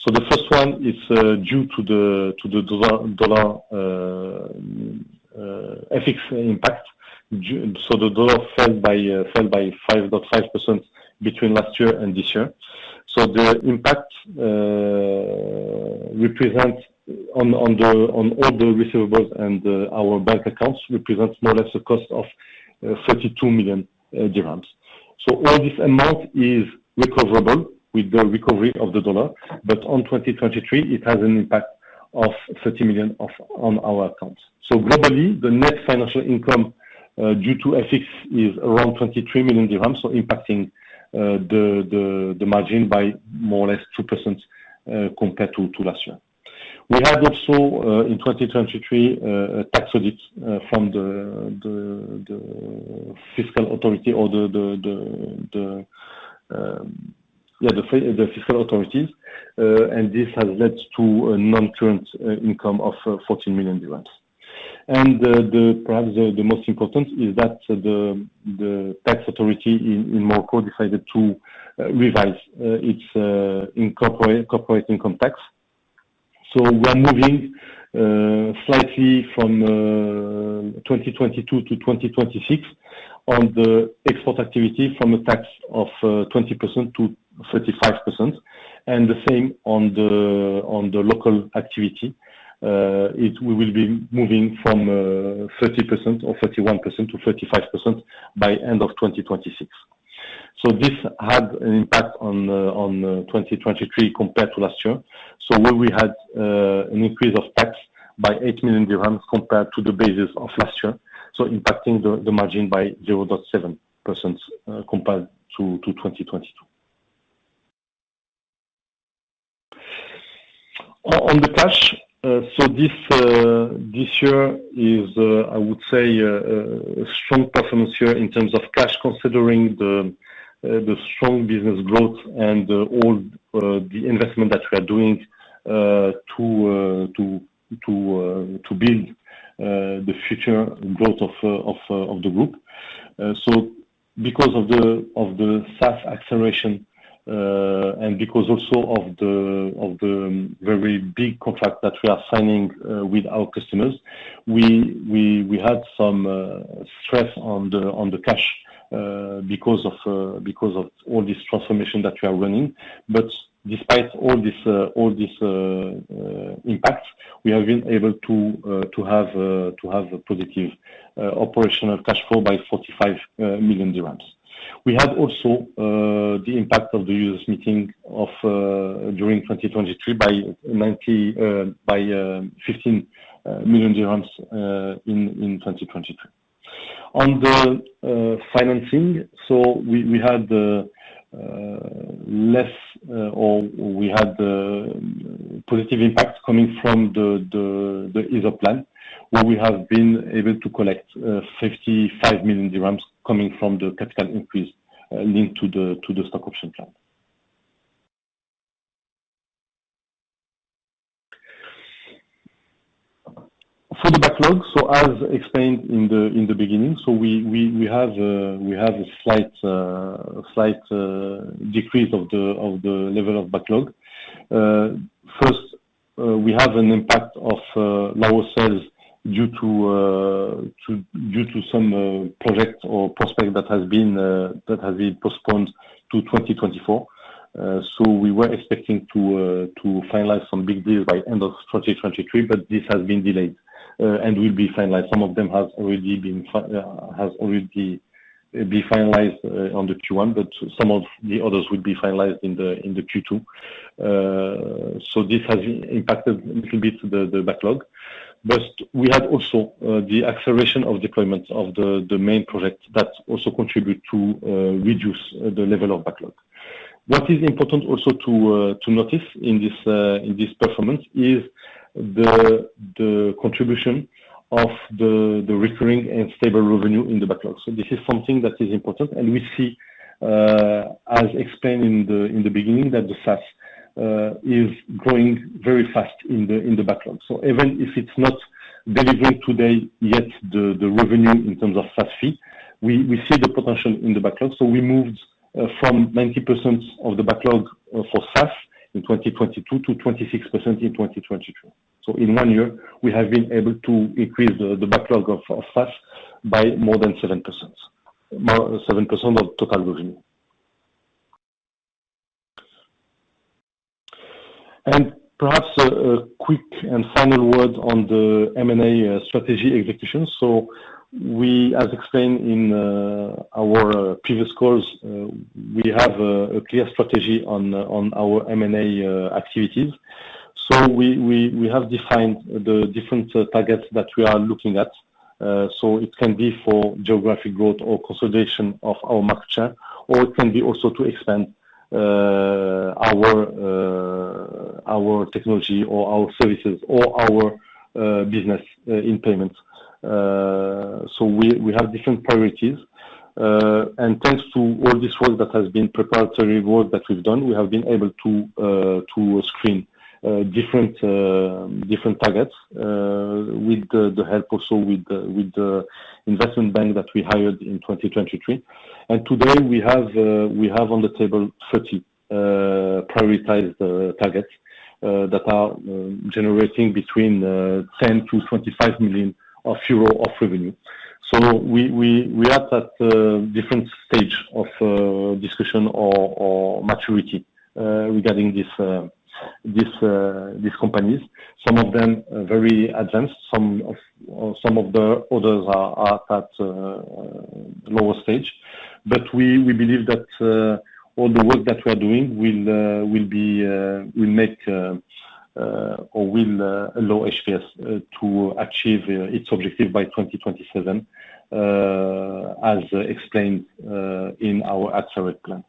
B: So the first one, it's due to the dollar FX impact. So the dollar fell by 5.5% between last year and this year. So the impact represents on all the receivables and our bank accounts more or less the cost of MAD 32 million. So all this amount is recoverable with the recovery of the dollar. But in 2023, it has an impact of MAD 30 million on our accounts. So globally, the net financial income, due to FX, is around MAD 23 million, so impacting the margin by more or less 2%, compared to last year. We had also, in 2023, a tax audit, from the fiscal authority or the fiscal authorities. And this has led to a non-current income of MAD 14 million. And perhaps the most important is that the tax authority in Morocco decided to revise its corporate income tax. So we are moving slightly from 2022 to 2026 on the export activity from a tax of 20%-35%. And the same on the local activity. We will be moving from 30% or 31% to 35% by end of 2026. So this had an impact on 2023 compared to last year. So where we had an increase of tax by MAD 8 million compared to the basis of last year, so impacting the margin by 0.7%, compared to 2022. On the cash, so this year is, I would say, a strong performance year in terms of cash considering the strong business growth and all the investment that we are doing to build the future growth of the group. So because of the SaaS acceleration, and because also of the very big contract that we are signing with our customers, we had some stress on the cash, because of all this transformation that we are running. But despite all this impact, we have been able to have a positive operational cash flow by MAD 45 million. We had also the impact of the FX movement during 2023 by MAD 90 million by MAD 15 million in 2023. On the financing, so we had positive impact coming from the ESOP plan, where we have been able to collect MAD 55 million coming from the capital increase linked to the stock option plan. For the backlog, so as explained in the beginning, so we have a slight decrease of the level of backlog. First, we have an impact of lower sales due to some project or prospect that has been postponed to 2024. So we were expecting to finalize some big deals by end of 2023, but this has been delayed, and will be finalized. Some of them have already been finalized on the Q1. But some of the others will be finalized in the Q2. So this has impacted a little bit the backlog. But we had also the acceleration of deployment of the main project that also contribute to reduce the level of backlog. What is important also to notice in this performance is the contribution of the recurring and stable revenue in the backlog. So this is something that is important. And we see, as explained in the beginning, that the SaaS is growing very fast in the backlog. So even if it's not delivering today yet the revenue in terms of SaaS fee, we see the potential in the backlog. So we moved from 90% of the backlog for SaaS in 2022 to 26% in 2023. So in one year, we have been able to increase the backlog of SaaS by more than 7%, more 7% of total revenue. And perhaps a quick and final word on the M&A strategy execution. So we, as explained in our previous calls, we have a clear strategy on our M&A activities. So we have defined the different targets that we are looking at. So it can be for geographic growth or consolidation of our market share, or it can be also to expand our technology or our services or our business in payments. So we have different priorities. Thanks to all this work that has been preparatory work that we've done, we have been able to screen different targets with the help also with the investment bank that we hired in 2023. And today, we have on the table 30 prioritized targets that are generating between 10 million-25 million euro of revenue. So we are at different stage of discussion or maturity regarding these companies. Some of them very advanced. Some of the others are at lower stage. But we believe that all the work that we are doing will make or will allow HPS to achieve its objective by 2027, as explained in our Accelerate Plan.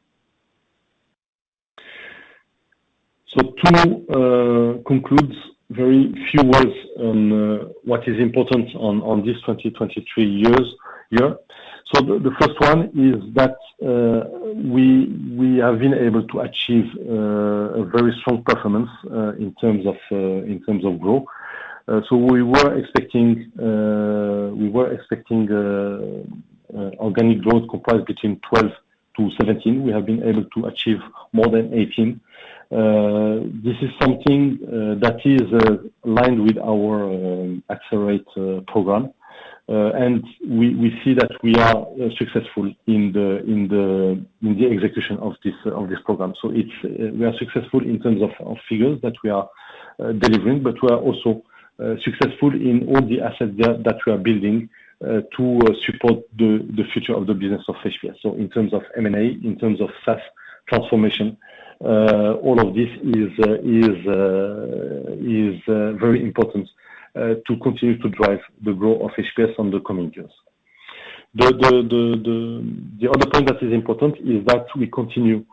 B: So to conclude, very few words on what is important on this 2023 year. So the first one is that we have been able to achieve a very strong performance in terms of growth. So we were expecting organic growth comprised between 12%-17%. We have been able to achieve more than 18%. This is something that is aligned with our Accelerate program. And we see that we are successful in the execution of this program. So we are successful in terms of figures that we are delivering. But we are also successful in all the assets that we are building to support the future of the business of HPS. So in terms of M&A, in terms of SaaS transformation, all of this is very important to continue to drive the growth of HPS on the coming years. The other point that is important is that we continue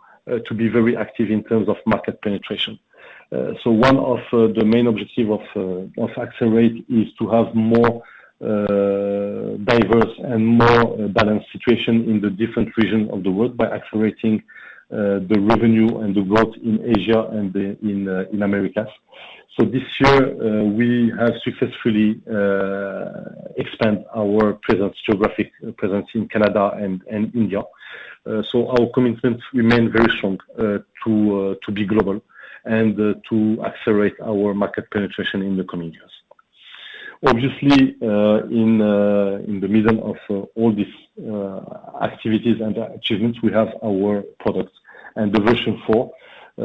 B: to be very active in terms of market penetration. So one of the main objective of accelerate is to have more diverse and more balanced situation in the different regions of the world by accelerating the revenue and the growth in Asia and in America. So this year, we have successfully expand our geographic presence in Canada and India. So our commitments remain very strong to be global and to accelerate our market penetration in the coming years. Obviously, in the middle of all this activities and achievements, we have our product. And the version 4, we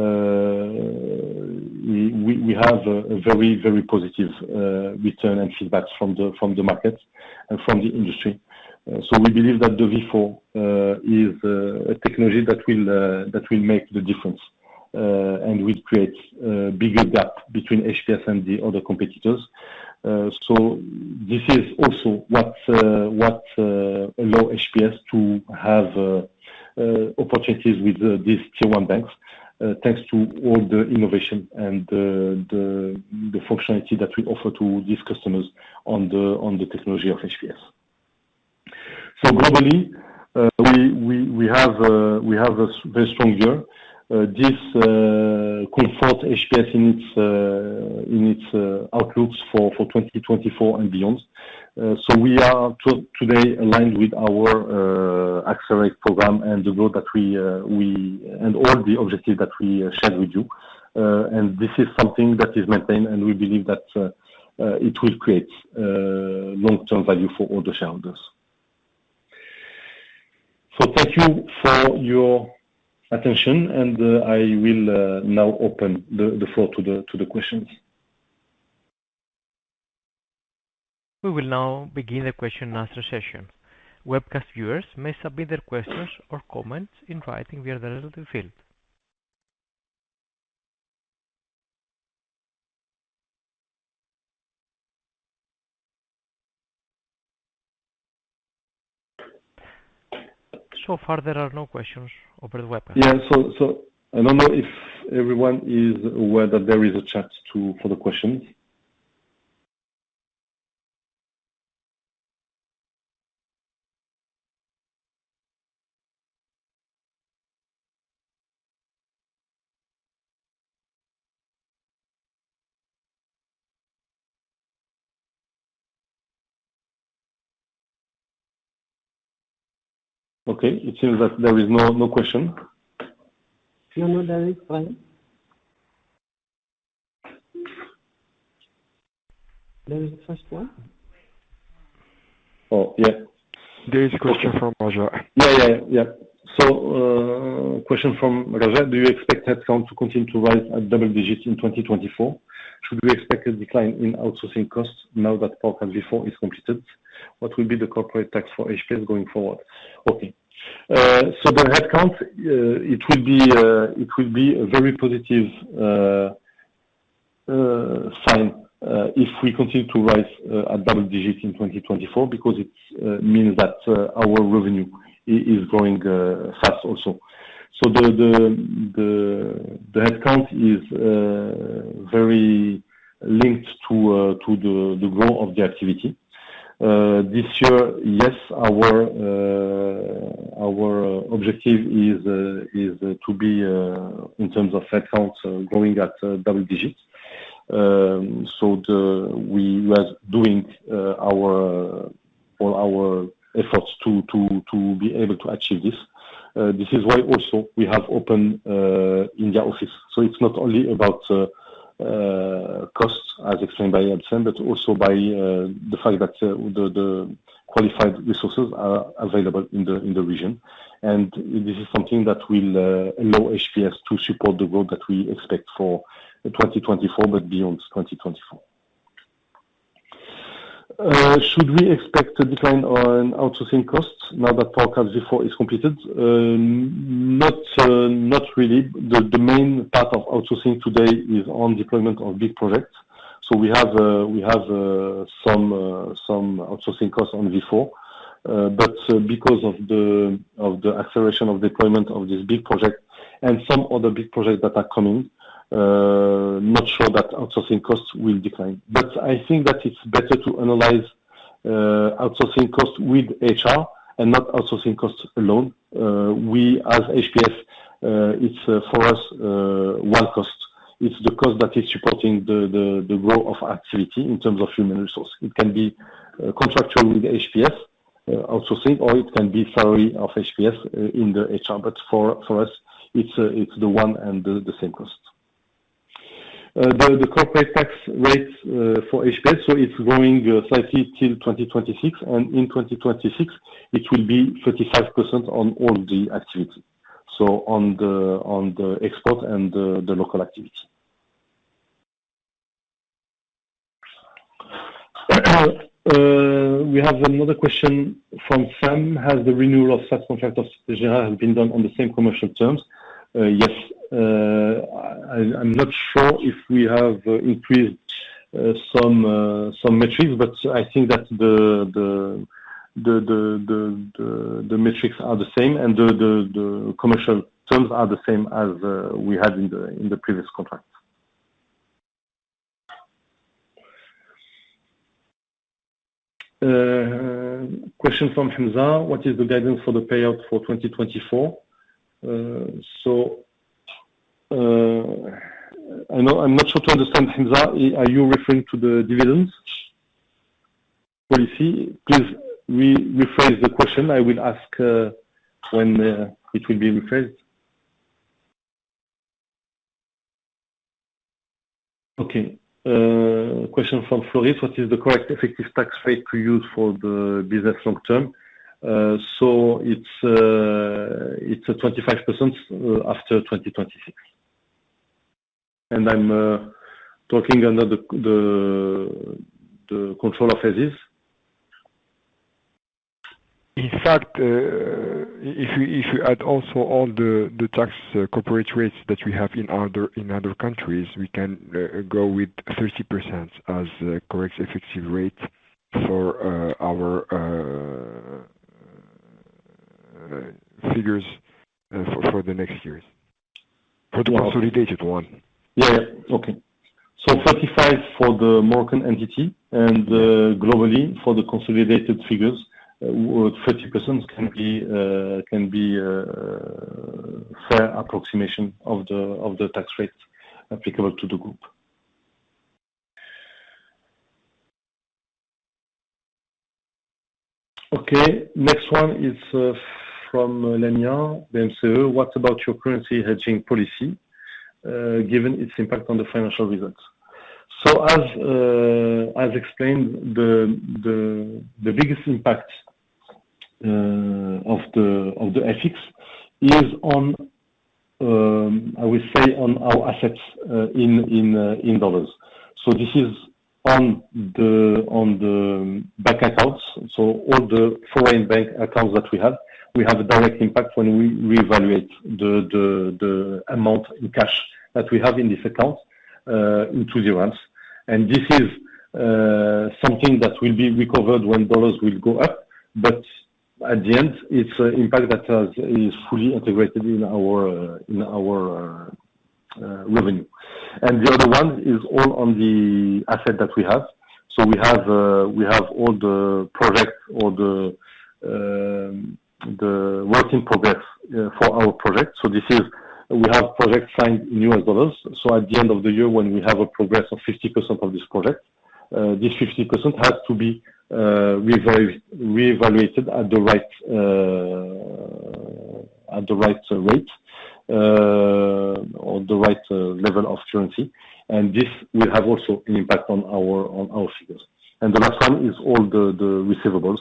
B: have a very positive return and feedback from the market and from the industry. So we believe that the v4 is a technology that will make the difference and will create bigger gap between HPS and the other competitors. So this is also what allows HPS to have opportunities with these Tier 1 banks, thanks to all the innovation and the functionality that we offer to these customers on the technology of HPS. So globally, we have a very strong year. This comforts HPS in its outlooks for 2024 and beyond. So we are today aligned with our Accelerate program and the growth that we and all the objective that we shared with you. And this is something that is maintained. And we believe that it will create long-term value for all the shareholders. So thank you for your attention. I will now open the floor to the questions.
C: We will now begin the question and answer session. Webcast viewers may submit their questions or comments in writing via the relevant field. So far, there are no questions over the webcast.
B: Yeah. So, I don't know if everyone is aware that there is a chat for the questions. Okay. It seems that there is no question.
A: No. There is Brahim. There is the first one.
B: Oh, yeah.
A: There is a question from Raja.
B: Yeah, yeah, yeah. Yep. So, question from Raja. Do you expect headcount to continue to rise at double digits in 2024? Should we expect a decline in outsourcing costs now that part of v4 is completed? What will be the corporate tax for HPS going forward? Okay. So the headcount, it will be a very positive sign if we continue to rise at double digits in 2024 because it means that our revenue is growing fast also. So the headcount is very linked to the growth of the activity. This year, yes, our objective is to be, in terms of headcount, growing at double digits. So we are doing all our efforts to be able to achieve this. This is why also we have opened India office. So it's not only about costs as explained by Abdeslam but also by the fact that the qualified resources are available in the region. And this is something that will allow HPS to support the growth that we expect for 2024 but beyond 2024. Should we expect a decline on outsourcing costs now that part of v4 is completed? Not really. The main part of outsourcing today is on deployment of big projects. So we have some outsourcing costs on v4. But because of the acceleration of deployment of this big project and some other big projects that are coming, not sure that outsourcing costs will decline. But I think that it's better to analyze outsourcing costs with HR and not outsourcing costs alone. We as HPS, it's for us one cost. It's the cost that is supporting the growth of activity in terms of human resource. It can be contractual with HPS outsourcing, or it can be salary of HPS in the HR. But for us, it's the one and the same cost. The corporate tax rate for HPS so it's growing slightly till 2026. And in 2026, it will be 35% on all the activity, so on the export and the local activity. We have another question from Sam. Has the renewal of SaaS contract of Société Générale been done on the same commercial terms? Yes. I'm not sure if we have increased some metrics. But I think that the metrics are the same. And the commercial terms are the same as we had in the previous contract. Question from Hamza. What is the guidance for the payout for 2024? So, I know I'm not sure to understand, Hamza. Are you referring to the dividends policy? Please rephrase the question. I will ask when it will be rephrased. Okay. Question from Floris. What is the correct effective tax rate to use for the business long term? So it's 25% after 2026. And I'm talking under the control of Aziz. In fact, if you add also all the tax corporate rates that we have in other countries, we can go with 30% as correct effective rate for our figures for the next years, for the consolidated one. Yeah, yeah. Okay. So 35% for the Moroccan entity. And globally, for the consolidated figures, 30% can be a fair approximation of the tax rate applicable to the group. Okay. Next one is from Lamine, BMCE. What about your currency hedging policy, given its impact on the financial results? So as explained, the biggest impact of the FX is on, I will say, on our assets in dollars. So this is on the bank accounts. So all the foreign bank accounts that we have, we have a direct impact when we reevaluate the amount in cash that we have in this account into the Moroccan dirhams. And this is something that will be recovered when dollars go up. But at the end, it's an impact that is fully integrated in our revenue. And the other one is all on the asset that we have. So we have all the projects or the work in progress for our projects. So we have projects signed in U.S. dollars. So at the end of the year, when we have a progress of 50% of this project, this 50% has to be reevaluated at the right rate or the right level of currency. And this will have also an impact on our figures. And the last one is all the receivables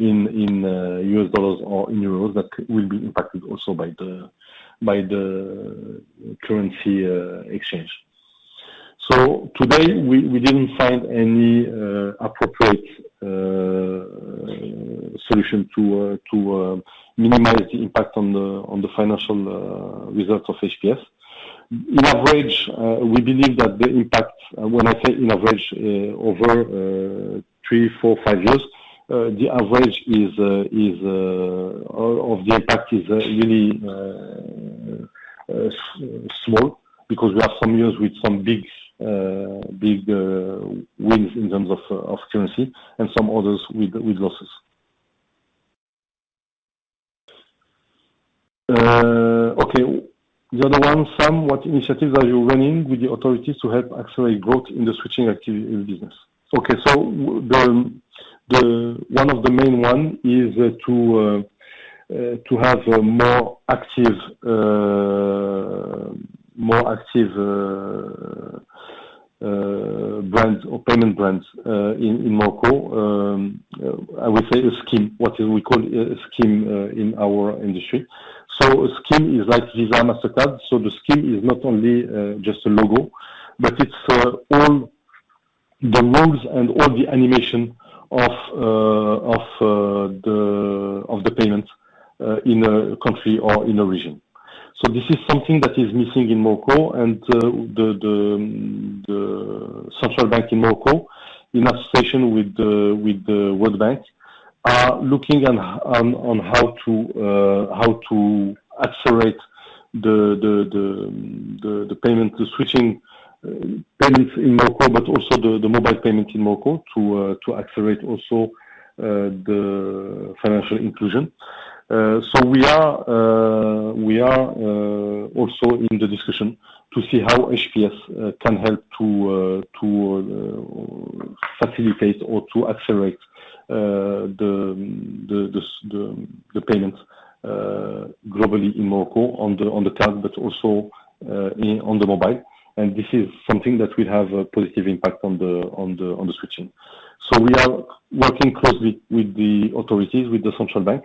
B: in U.S. dollars or in euros that will be impacted also by the currency exchange. So today, we didn't find any appropriate solution to minimize the impact on the financial results of HPS. On average, we believe that the impact when I say on average, over three, four, five years, the average is of the impact is really small because we have some years with some big wins in terms of currency and some others with losses. Okay. The other one, Sam. What initiatives are you running with the authorities to help accelerate growth in the switching activity in business? Okay. So one of the main ones is to have more active brands or payment brands in Morocco. I will say a scheme, what we call a scheme in our industry. So a scheme is like Visa Mastercard. So the scheme is not only just a logo, but it's all the rules and all the animation of the payments in a country or in a region. So this is something that is missing in Morocco. The central bank in Morocco in association with the World Bank are looking on how to accelerate the payment switching payments in Morocco but also the mobile payment in Morocco to accelerate also the financial inclusion. So we are also in the discussion to see how HPS can help to facilitate or to accelerate the payments globally in Morocco on the card but also on the mobile. And this is something that will have a positive impact on the switching. So we are working closely with the authorities, with the central bank,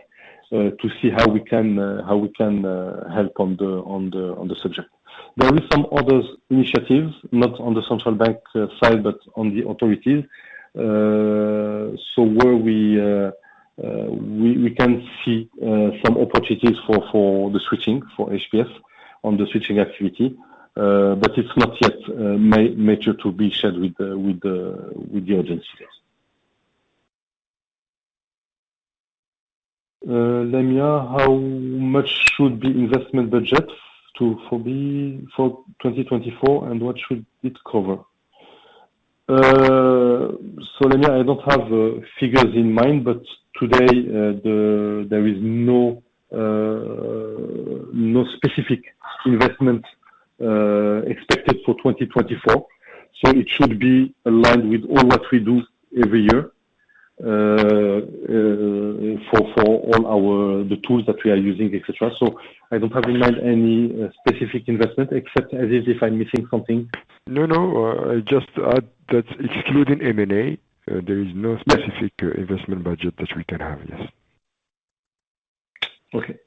B: to see how we can help on the subject. There are some other initiatives, not on the central bank side, but on the authorities. So where we can see some opportunities for the switching for HPS on the switching activity. But it's not yet mature to be shared with the agencies. Lamine, how much should the investment budget be for 2024? And what should it cover? So Lamine, I don't have figures in mind. But today, there is no specific investment expected for 2024. So it should be aligned with all what we do every year, for all our tools that we are using, etc. So I don't have in mind any specific investment except Aziz if I'm missing something. No. I just add that excluding M&A, there is no specific investment budget that we can have. Yes. Okay.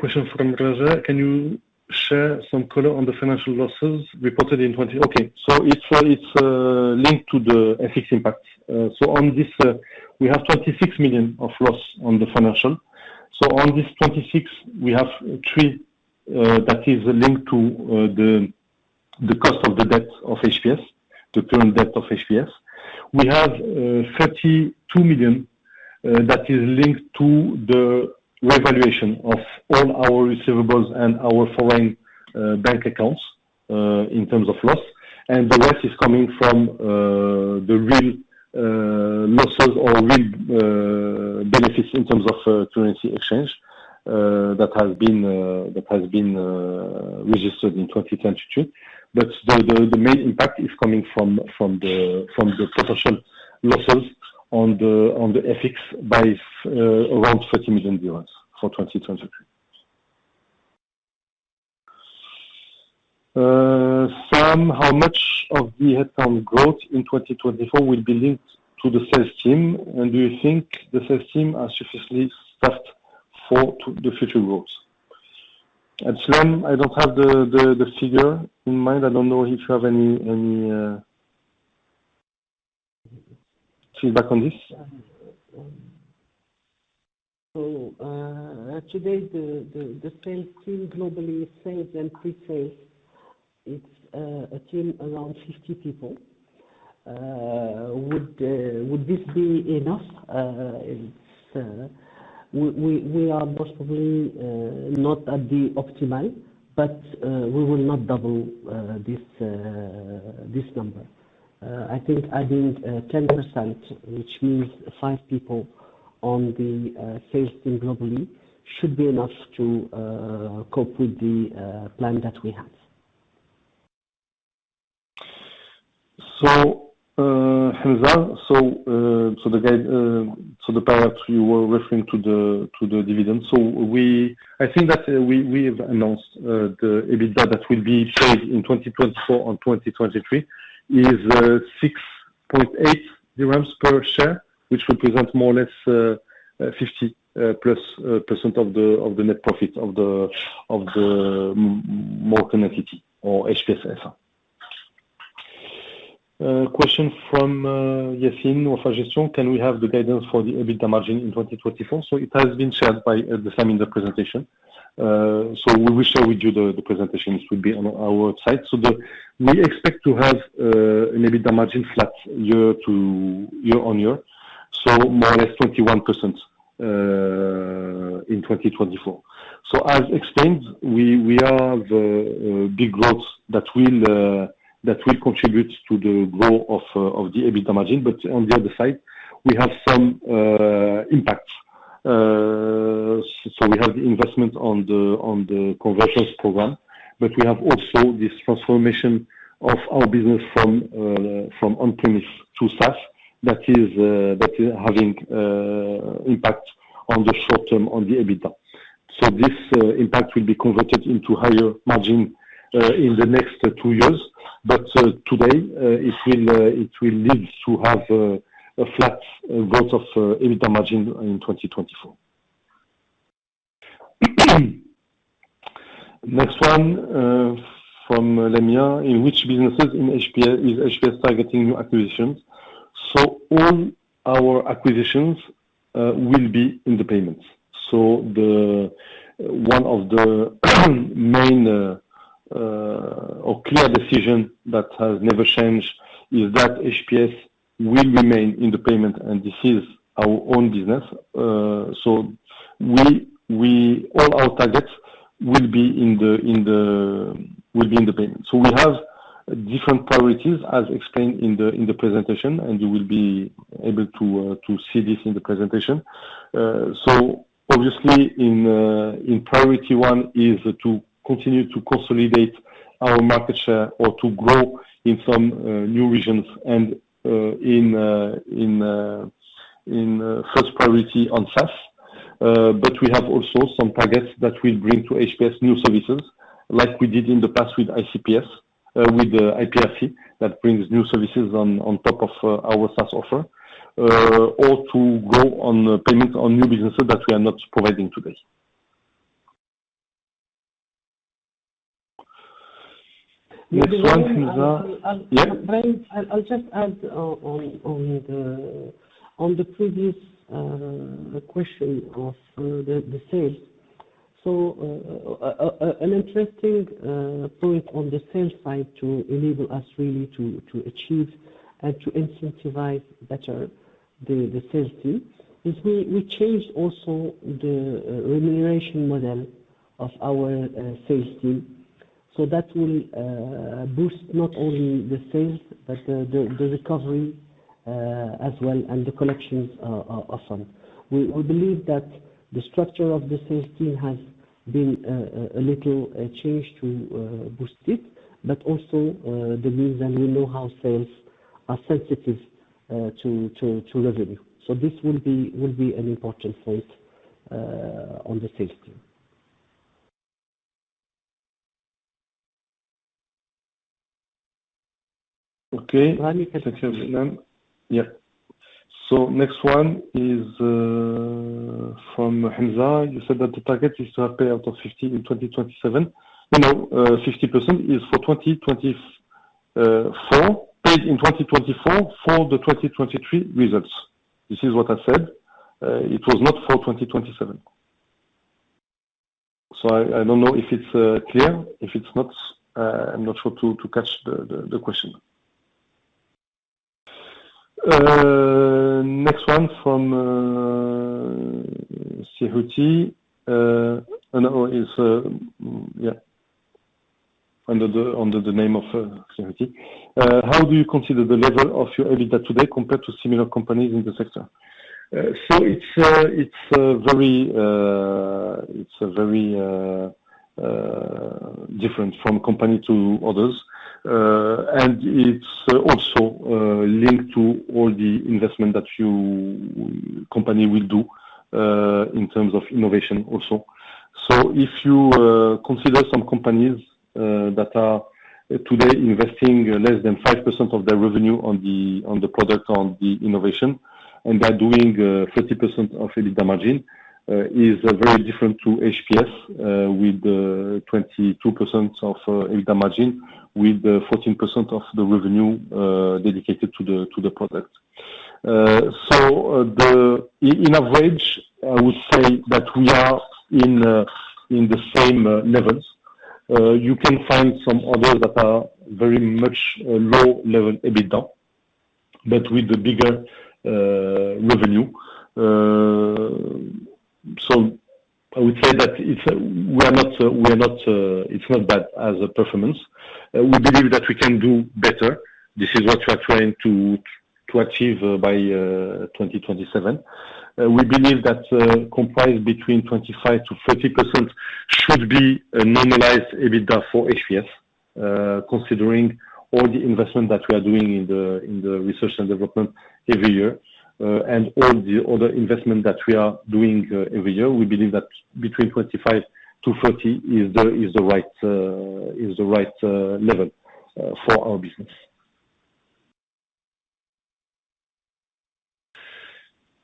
B: Question from Raja. Can you share some color on the financial losses reported in 2020 okay. So it's linked to the FX impact. So on this, we have 26 million of loss on the financial. So on this 26 million, we have three that is linked to the cost of the debt of HPS, the current debt of HPS. We have 32 million that is linked to the reevaluation of all our receivables and our foreign bank accounts, in terms of loss. And the rest is coming from the real losses or real benefits in terms of currency exchange that has been registered in 2023. But the main impact is coming from the potential losses on the FX by around 30 million euros for 2023. Sam, how much of the headcount growth in 2024 will be linked to the sales team? Do you think the sales team are sufficiently staffed for the future growth? Abdeslam, I don't have the figure in mind. I don't know if you have any feedback on this.
A: So, today, the sales team globally, sales and pre-sales, it's a team around 50 people. Would this be enough? It's, we are most probably not at the optimal. But, we will not double this number. I think adding 10%, which means five people on the sales team globally, should be enough to cope with the plan that we have.
B: So, Hamza. So, the guidance, the payout, you were referring to the dividends. So we, I think that we have announced the EBITDA that will be paid in 2024 on 2023 is MAD 6.8 per share, which represents more or less 50%+ of the net profit of the Moroccan entity or HPS S.A. Question from Yassine of Attijari Gestion. Can we have the guidance for the EBITDA margin in 2024? So it has been shared by Sam in the presentation. So we will share with you the presentation. It will be on our website. So we expect to have an EBITDA margin flat year-on-year, so more or less 21% in 2024. So as explained, we have big growth that will contribute to the growth of the EBITDA margin. But on the other side, we have some impact. We have the investment on the Convergence program. But we have also this transformation of our business from on-premise to SaaS that is having impact on the short term on the EBITDA. So this impact will be converted into higher margin in the next two years. But today, it will lead to have a flat growth of EBITDA margin in 2024. Next one, from Lamine. In which businesses in HPS is HPS targeting new acquisitions? So all our acquisitions will be in the payments. So the one of the main or clear decision that has never changed is that HPS will remain in the payment. And this is our own business. So we all our targets will be in the payments. So we have different priorities, as explained in the presentation. You will be able to see this in the presentation. So obviously, in priority one is to continue to consolidate our market share or to grow in some new regions and, first priority on SaaS. But we have also some targets that will bring to HPS new services, like we did in the past with ICPS, with IPRC that brings new services on top of our SaaS offer, or to grow on payments on new businesses that we are not providing today. Next one, Hamza.
A: Yep. I'll just add on the previous question of the sales. So, an interesting point on the sales side to enable us really to achieve and to incentivize better the sales team is we changed also the remuneration model of our sales team. So that will boost not only the sales but the recovery, as well and the collections of funds. We believe that the structure of the sales team has been a little changed to boost it. But also, that means that we know how sales are sensitive to revenue. So this will be an important point on the sales team.
B: Okay. Thank you, Abdeslam. Yep. So next one is from Hamza. You said that the target is to have payout of 50% in 2027. No, no. 50% is for 2024 paid in 2024 for the 2023 results. This is what I said. It was not for 2027. So I don't know if it's clear. If it's not, I'm not sure to catch the question. Next one from Sehouti. And, or it's yeah. Under the name of Sehouti. How do you consider the level of your EBITDA today compared to similar companies in the sector? So it's very different from company to others. And it's also linked to all the investment that your company will do, in terms of innovation also. So if you consider some companies that are today investing less than 5% of their revenue on the product or on the innovation, and they're doing 30% EBITDA margin, it's very different to HPS, with 22% EBITDA margin with 14% of the revenue dedicated to the product. So, in average, I would say that we are in the same levels. You can find some others that are very much low-level EBITDA but with the bigger revenue. So I would say that it's, we are not, it's not bad as a performance. We believe that we can do better. This is what we are trying to achieve by 2027. We believe that, comprised between 25%-30% should be a normalized EBITDA for HPS, considering all the investment that we are doing in the research and development every year, and all the other investment that we are doing, every year. We believe that between 25%-30% is the right level for our business.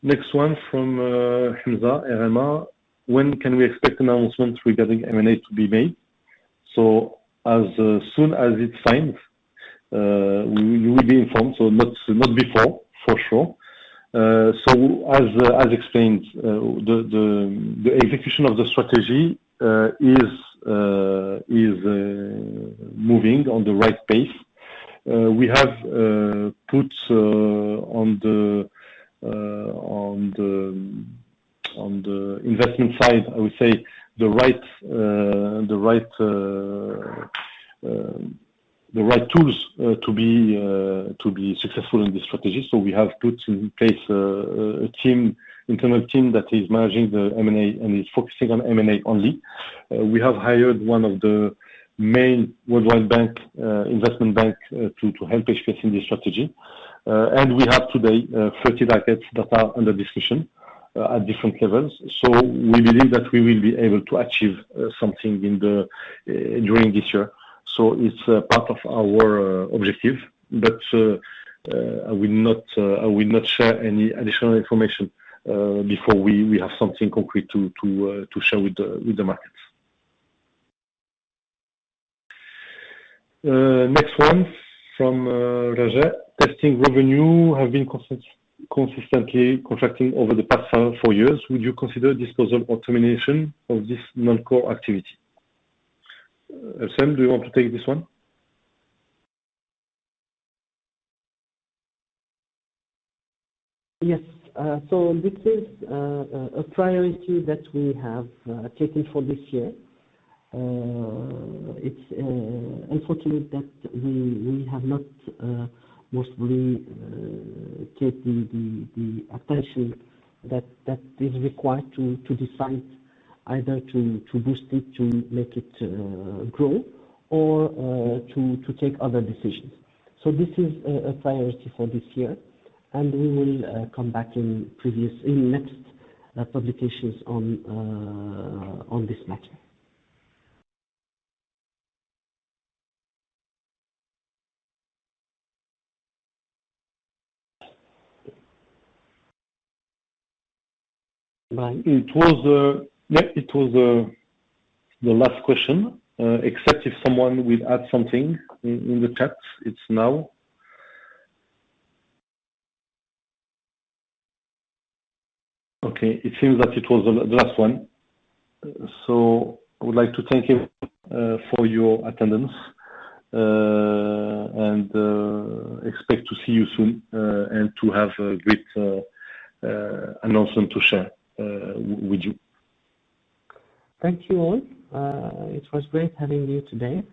B: Next one from Hamza, RMA. When can we expect an announcement regarding M&A to be made? So as soon as it's signed, you will be informed. So not before, for sure. So as explained, the execution of the strategy is moving on the right pace. We have put on the investment side, I would say, the right tools to be successful in this strategy. So we have put in place an internal team that is managing the M&A and is focusing on M&A only. We have hired one of the main worldwide investment banks to help HPS in this strategy. And we have today 30 targets that are under discussion at different levels. So we believe that we will be able to achieve something during this year. So it's part of our objective. But I will not share any additional information before we have something concrete to share with the markets. Next one from Raja. Testing revenue have been consistently contracting over the past four years. Would you consider disposal or termination of this non-core activity? Abdeslam, do you want to take this one?
A: Yes. So this is a priority that we have taken for this year. It's unfortunate that we have not, most probably, taken the attention that is required to decide either to boost it, to make it grow, or to take other decisions. So this is a priority for this year. And we will come back in previous in next publications on this matter. Bye.
B: It was, yep. It was the last question, except if someone will add something in the chat, it's now. Okay. It seems that it was the last one. So I would like to thank you for your attendance, and expect to see you soon, and to have a great announcement to share with you.
A: Thank you all. It was great having you today.